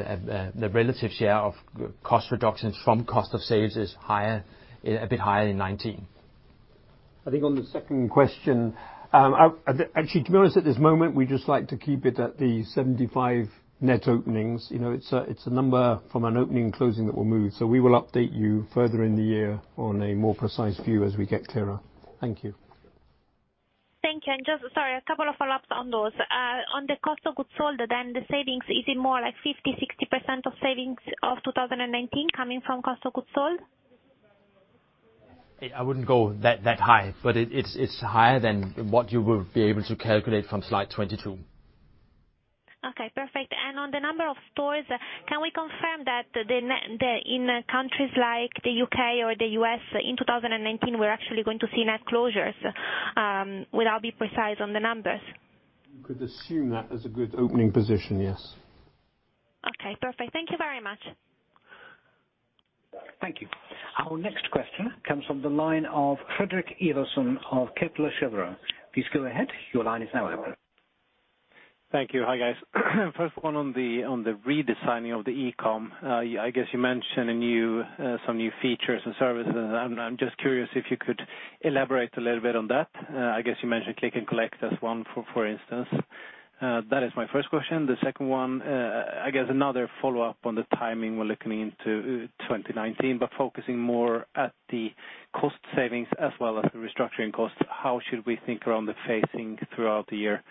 the relative share of cost reductions from cost of sales is higher, a bit higher in 2019. I think on the second question, I actually, to be honest, at this moment, we just like to keep it at the 75 net openings. You know, it's a number from an opening and closing that will move. So we will update you further in the year on a more precise view as we get clearer. Thank you. Thank you. And just, sorry, a couple of follow-ups on those. On the cost of goods sold, then the savings, is it more like 50%-60% of savings of 2019 coming from cost of goods sold? I wouldn't go that high, but it's higher than what you would be able to calculate from slide 22. Okay, perfect. On the number of stores, can we confirm that the net in countries like the U.K. or the U.S. in 2019, we're actually going to see net closures, without being precise on the numbers? You could assume that as a good opening position, yes. Okay, perfect. Thank you very much. Thank you. Our next question comes from the line of Fredrik Ivarsson of Kepler Cheuvreux. Please go ahead. Your line is now open. ...Thank you. Hi, guys. First one on the redesigning of the e-com. I guess you mentioned a new some new features and services, and I'm just curious if you could elaborate a little bit on that. I guess you mentioned Click & Collect as one for instance. That is my first question. The second one, I guess another follow-up on the timing, we're looking into 2019, but focusing more at the cost savings as well as the restructuring costs. How should we think around the phasing throughout the year?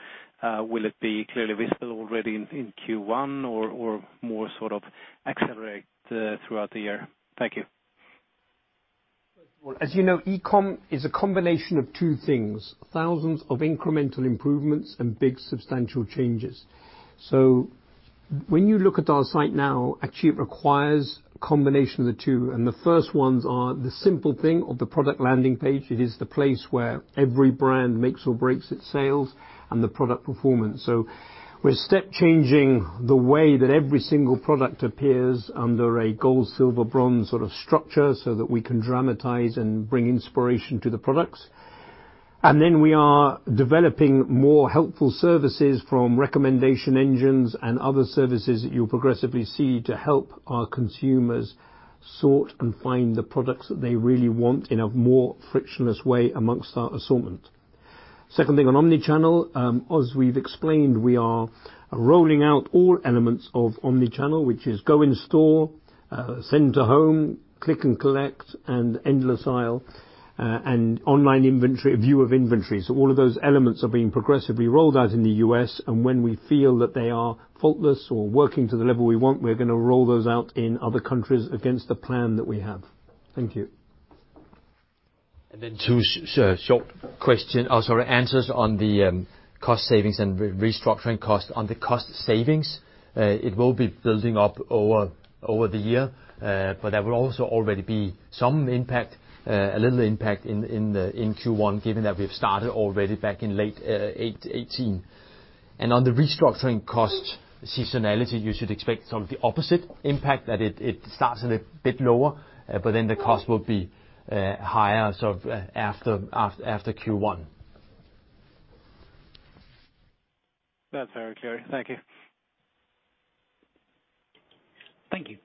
Will it be clearly visible already in Q1 or more sort of accelerate throughout the year? Thank you. As you know, e-com is a combination of two things, thousands of incremental improvements and big, substantial changes. So when you look at our site now, actually it requires a combination of the two, and the first ones are the simple thing of the product landing page. It is the place where every brand makes or breaks its sales and the product performance. So we're step changing the way that every single product appears under a gold, silver, bronze sort of structure, so that we can dramatize and bring inspiration to the products. And then we are developing more helpful services from recommendation engines and other services that you'll progressively see to help our consumers sort and find the products that they really want in a more frictionless way amongst our assortment. Second thing, on omnichannel, as we've explained, we are rolling out all elements of omnichannel, which is go in store, send to home, Click & Collect, and Endless Aisle, and online inventory, view of inventory. So all of those elements are being progressively rolled out in the US, and when we feel that they are faultless or working to the level we want, we're going to roll those out in other countries against the plan that we have. Thank you. And then two short questions, oh, sorry, answers on the cost savings and restructuring costs. On the cost savings, it will be building up over the year, but there will also already be some impact, a little impact in Q1, given that we've started already back in late 2018. On the restructuring costs, seasonality, you should expect sort of the opposite impact, that it starts a little bit lower, but then the cost will be higher, sort of, after Q1. That's very clear. Thank you. Thank you.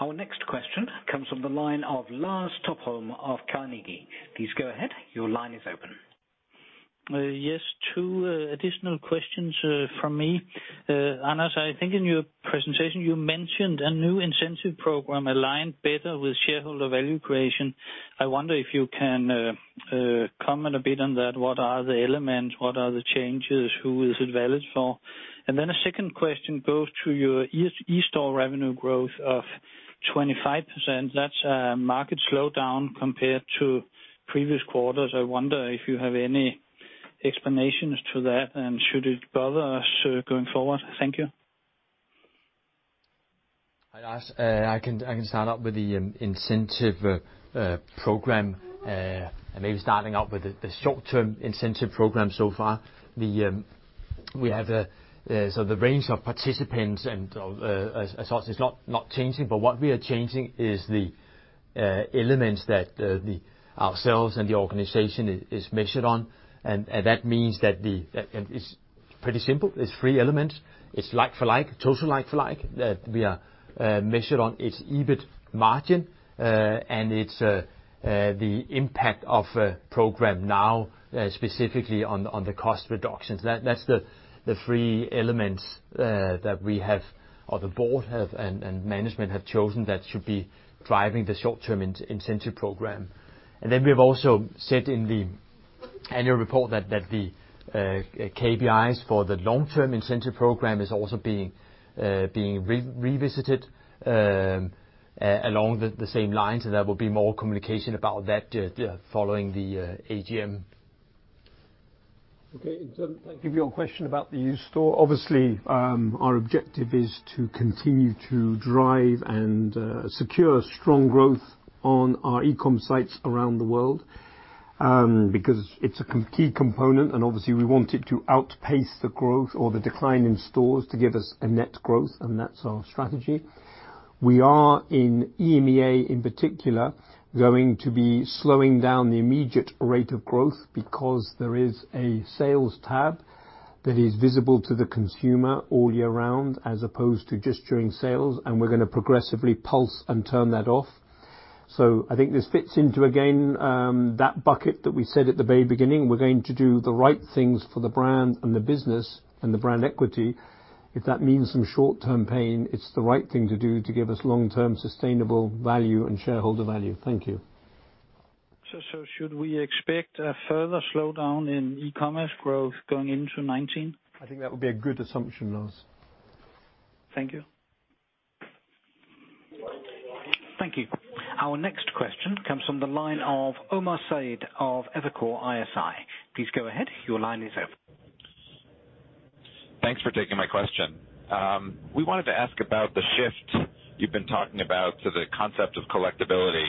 Our next question comes from the line of Lars Topholm of Carnegie. Please go ahead. Your line is open. Yes, two additional questions from me. Anders, I think in your presentation, you mentioned a new incentive program aligned better with shareholder value creation. I wonder if you can comment a bit on that. What are the elements? What are the changes? Who is it valid for? And then a second question goes to your e-e-store revenue growth of 25%. That's a market slowdown compared to previous quarters. I wonder if you have any explanations to that, and should it bother us going forward? Thank you. Hi, Lars. I can start out with the incentive program and maybe starting out with the short-term incentive program so far. The range of participants and of associates is not changing, but what we are changing is the elements that we ourselves and the organization is measured on. And that means that it's pretty simple. There are three elements. It's like-for-like, total like-for-like, that we are measured on its EBIT margin, and it's the impact of Programme NOW, specifically on the cost reductions. That's the three elements that we have, or the board have, and management have chosen that should be driving the short-term incentive program. And then we've also said in the annual report that the KPIs for the long-term incentive program is also being revisited along the same lines, and there will be more communication about that following the AGM. Okay. So thank you for your question about the e-store. Obviously, our objective is to continue to drive and secure strong growth on our e-com sites around the world, because it's a key component, and obviously, we want it to outpace the growth or the decline in stores to give us a net growth, and that's our strategy. We are, in EMEA, in particular, going to be slowing down the immediate rate of growth because there is a sales tab that is visible to the consumer all year round, as opposed to just during sales, and we're going to progressively pulse and turn that off. So I think this fits into, again, that bucket that we said at the very beginning. We're going to do the right things for the brand and the business and the brand equity. If that means some short-term pain, it's the right thing to do to give us long-term sustainable value and shareholder value. Thank you. So, should we expect a further slowdown in e-commerce growth going into 2019? I think that would be a good assumption, Lars. Thank you. Thank you. Our next question comes from the line of Omar Saad of Evercore ISI. Please go ahead. Your line is open. Thanks for taking my question. We wanted to ask about the shift you've been talking about to the concept of collectibility.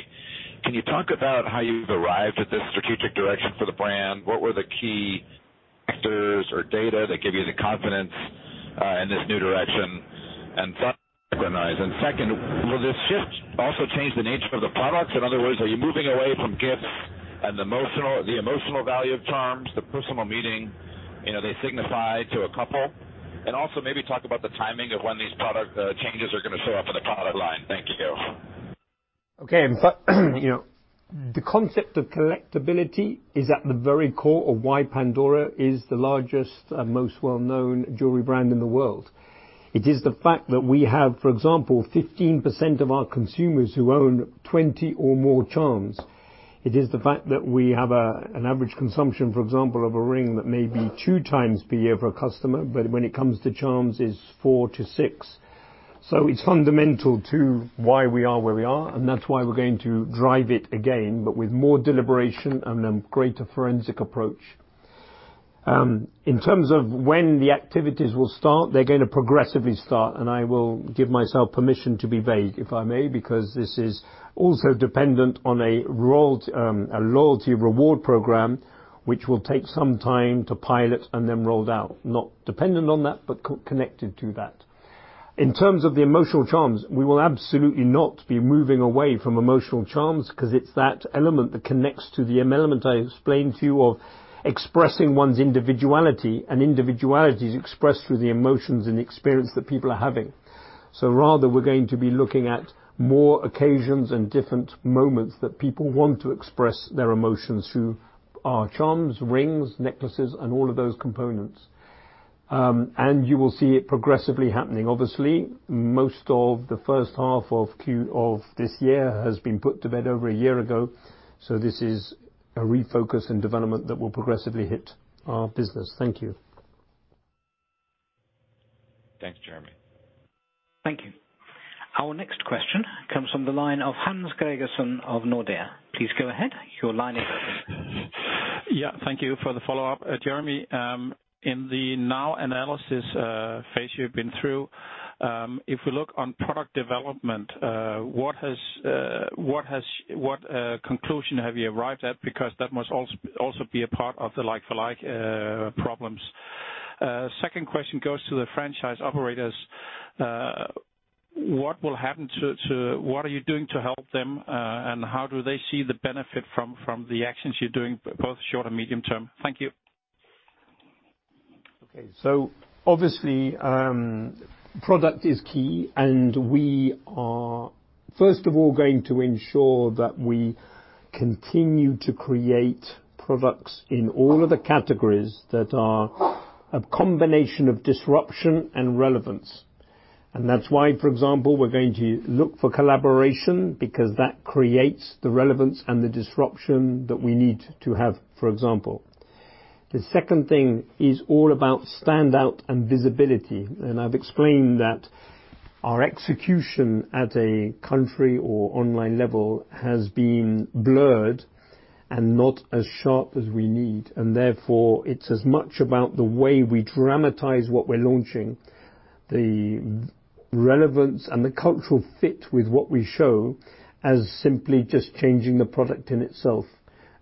Can you talk about how you've arrived at this strategic direction for the brand? What were the key factors or data that gave you the confidence in this new direction?... and synchronize. Second, will this shift also change the nature of the products? In other words, are you moving away from gifts and emotional, the emotional value of charms, the personal meaning, you know, they signify to a couple? And also, maybe talk about the timing of when these product changes are going to show up in the product line. Thank you. Okay, you know, the concept of collectability is at the very core of why Pandora is the largest and most well-known jewelry brand in the world. It is the fact that we have, for example, 15% of our consumers who own 20 or more charms. It is the fact that we have a, an average consumption, for example, of a ring that may be 2 times per year for a customer, but when it comes to charms, it's 4-6. So it's fundamental to why we are where we are, and that's why we're going to drive it again, but with more deliberation and a greater forensic approach. In terms of when the activities will start, they're going to progressively start, and I will give myself permission to be vague, if I may, because this is also dependent on a loyalty reward program, which will take some time to pilot and then rolled out. Not dependent on that, but connected to that. In terms of the emotional charms, we will absolutely not be moving away from emotional charms, because it's that element that connects to the element I explained to you of expressing one's individuality, and individuality is expressed through the emotions and the experience that people are having. So rather, we're going to be looking at more occasions and different moments that people want to express their emotions through our charms, rings, necklaces, and all of those components. And you will see it progressively happening. Obviously, most of the first half of this year has been put to bed over a year ago, so this is a refocus and development that will progressively hit our business. Thank you. Thanks, Jeremy. Thank you. Our next question comes from the line of Hans Gregersen of Nordea. Please go ahead. Your line is open. Yeah, thank you for the follow-up. Jeremy, in the NOW analysis phase you've been through, if we look on product development, what conclusions have you arrived at? Because that must also be a part of the like-for-like problems. Second question goes to the franchise operators. What will happen to... What are you doing to help them, and how do they see the benefit from the actions you're doing, both short and medium term? Thank you. Okay. So obviously, product is key, and we are, first of all, going to ensure that we continue to create products in all of the categories that are a combination of disruption and relevance. And that's why, for example, we're going to look for collaboration, because that creates the relevance and the disruption that we need to have, for example. The second thing is all about standout and visibility, and I've explained that our execution at a country or online level has been blurred and not as sharp as we need, and therefore, it's as much about the way we dramatize what we're launching, the relevance and the cultural fit with what we show, as simply just changing the product in itself.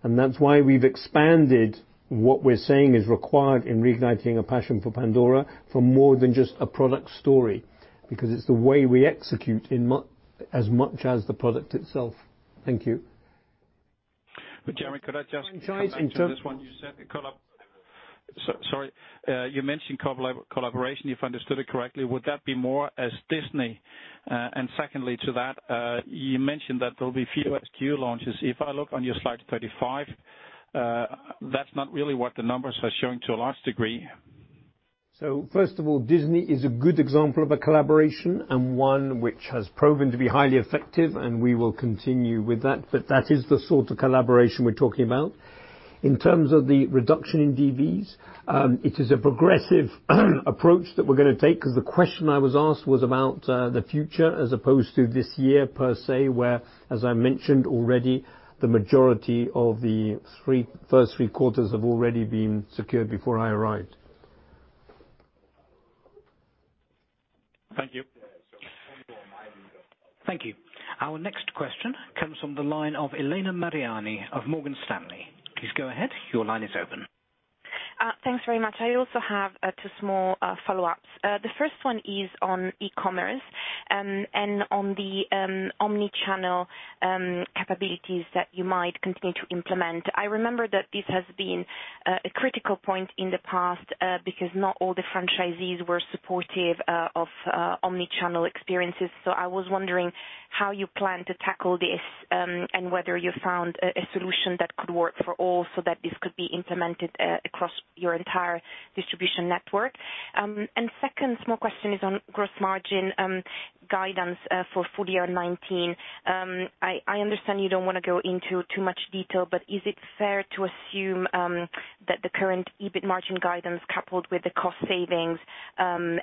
And that's why we've expanded what we're saying is required in Reigniting a Passion for Pandora for more than just a product story, because it's the way we execute as much as the product itself. Thank you. Jeremy, could I just- In terms of- Come back to this one you said? Sorry. You mentioned collaboration, if I understood it correctly. Would that be more as Disney? And secondly to that, you mentioned that there will be fewer SKU launches. If I look on your slide 35, that's not really what the numbers are showing to a large degree. So first of all, Disney is a good example of a collaboration, and one which has proven to be highly effective, and we will continue with that, but that is the sort of collaboration we're talking about. In terms of the reduction in DVs, it is a progressive approach that we're going to take, because the question I was asked was about the future as opposed to this year per se, where, as I mentioned already, the majority of the first 3 quarters have already been secured before I arrived. Thank you. Thank you. Our next question comes from the line of Elena Mariani of Morgan Stanley. Please go ahead. Your line is open. Thanks very much. I also have two small follow-ups. The first one is on e-commerce and on the omnichannel capabilities that you might continue to implement. I remember that this has been a critical point in the past because not all the franchisees were supportive of omnichannel experiences. So I was wondering how you plan to tackle this and whether you found a solution that could work for all, so that this could be implemented across your entire distribution network. And second small question is on gross margin guidance for full year 2019. I understand you don't want to go into too much detail, but is it fair to assume that the current EBIT margin guidance, coupled with the cost savings, and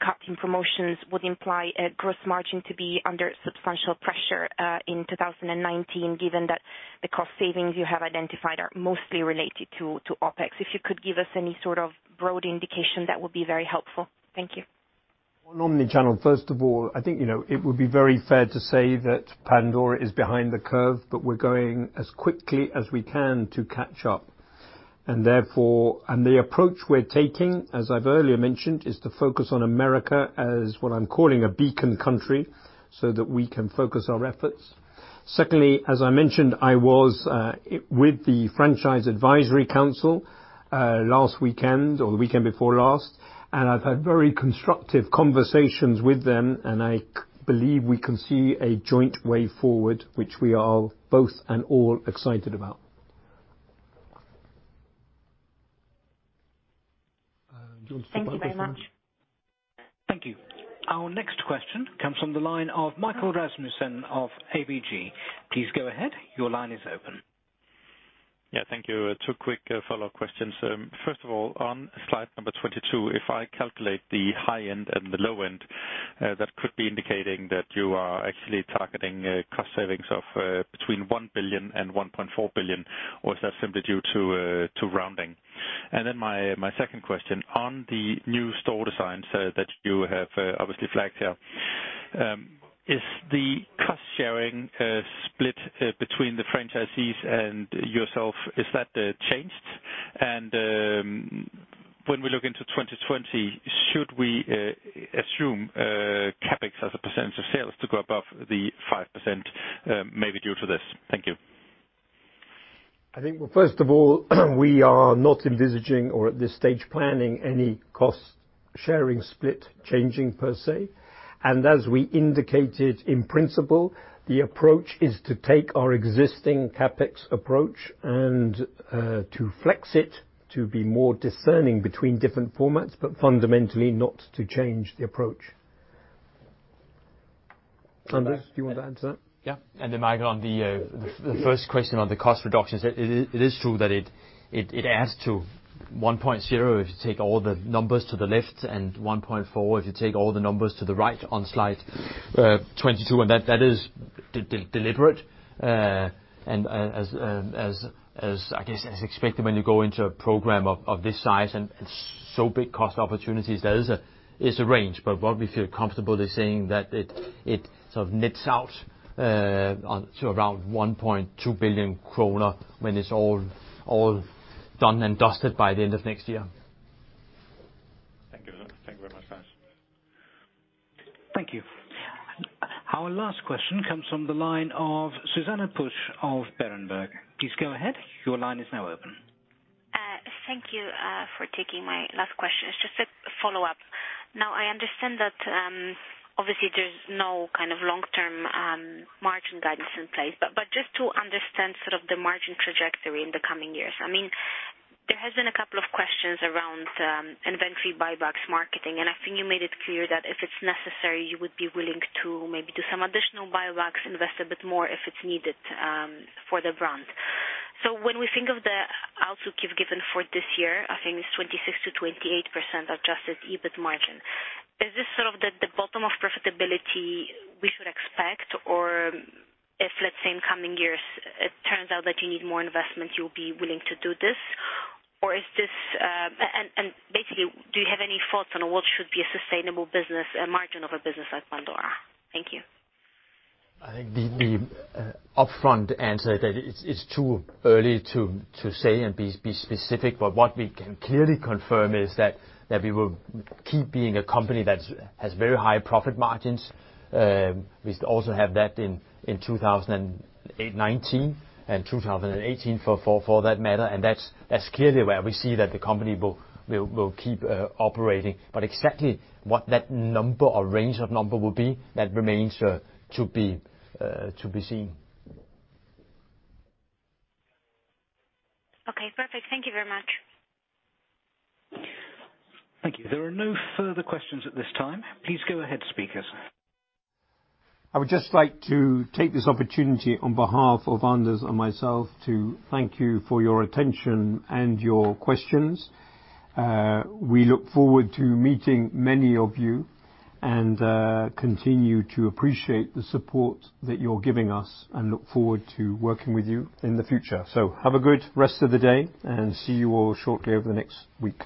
cutting promotions, would imply a gross margin to be under substantial pressure in 2019, given that the cost savings you have identified are mostly related to OpEx? If you could give us any sort of broad indication, that would be very helpful. Thank you. On omnichannel, first of all, I think, you know, it would be very fair to say that Pandora is behind the curve, but we're going as quickly as we can to catch up. Therefore, the approach we're taking, as I've earlier mentioned, is to focus on America as what I'm calling a beacon country, so that we can focus our efforts. Secondly, as I mentioned, I was with the Franchise Advisory Council last weekend or the weekend before last, and I've had very constructive conversations with them, and I believe we can see a joint way forward, which we are both and all excited about. Do you want to take this one? Thank you very much. Thank you. Our next question comes from the line of Michael Rasmussen of ABG. Please go ahead. Your line is open. Yeah, thank you. Two quick follow-up questions. First of all, on slide number 22, if I calculate the high end and the low end, that could be indicating that you are actually targeting cost savings of between 1 billion and 1.4 billion, or is that simply due to rounding? And then my second question, on the new store design, so that you have obviously flagged here, is the cost sharing split between the franchisees and yourself changed? And when we look into 2020, should we assume CapEx as a percentage of sales to go above the 5%, maybe due to this? Thank you. I think, well, first of all, we are not envisaging, or at this stage, planning any cost-sharing split changing, per se. As we indicated, in principle, the approach is to take our existing CapEx approach and to flex it to be more discerning between different formats, but fundamentally not to change the approach. Anders, do you want to add to that? Yeah. And then, Michael, on the first question on the cost reductions, it is true that it adds to 1.0 billion if you take all the numbers to the left, and 1.4 billion if you take all the numbers to the right on slide 22, and that is deliberate. And, as I guess, as expected, when you go into a program of this size and so big cost opportunities, there is a range. But what we feel comfortable is saying that it sort of nets out to around 1.2 billion kroner when it's all done and dusted by the end of next year. Thank you. Thank you very much, guys. Thank you. Our last question comes from the line of Zuzanna Pusz of Berenberg. Please go ahead. Your line is now open. Thank you for taking my last question. It's just a follow-up. Now, I understand that obviously there's no kind of long-term margin guidance in place, but just to understand sort of the margin trajectory in the coming years. I mean, there has been a couple of questions around inventory buybacks, marketing, and I think you made it clear that if it's necessary, you would be willing to maybe do some additional buybacks, invest a bit more if it's needed for the brand. So when we think of the outlook you've given for this year, I think it's 26%-28% adjusted EBIT margin. Is this sort of the bottom of profitability we should expect? Or if, let's say, in coming years, it turns out that you need more investment, you'll be willing to do this, or is this... Basically, do you have any thoughts on what should be a sustainable business and margin of a business like Pandora? Thank you. I think the upfront answer that it's too early to say and be specific, but what we can clearly confirm is that we will keep being a company that has very high profit margins. We also have that in 2018, 2019, and 2018, for that matter, and that's clearly where we see that the company will keep operating. But exactly what that number or range of number will be, that remains to be seen. Okay, perfect. Thank you very much. Thank you. There are no further questions at this time. Please go ahead, speakers. I would just like to take this opportunity on behalf of Anders and myself to thank you for your attention and your questions. We look forward to meeting many of you and continue to appreciate the support that you're giving us and look forward to working with you in the future. So have a good rest of the day, and see you all shortly over the next week.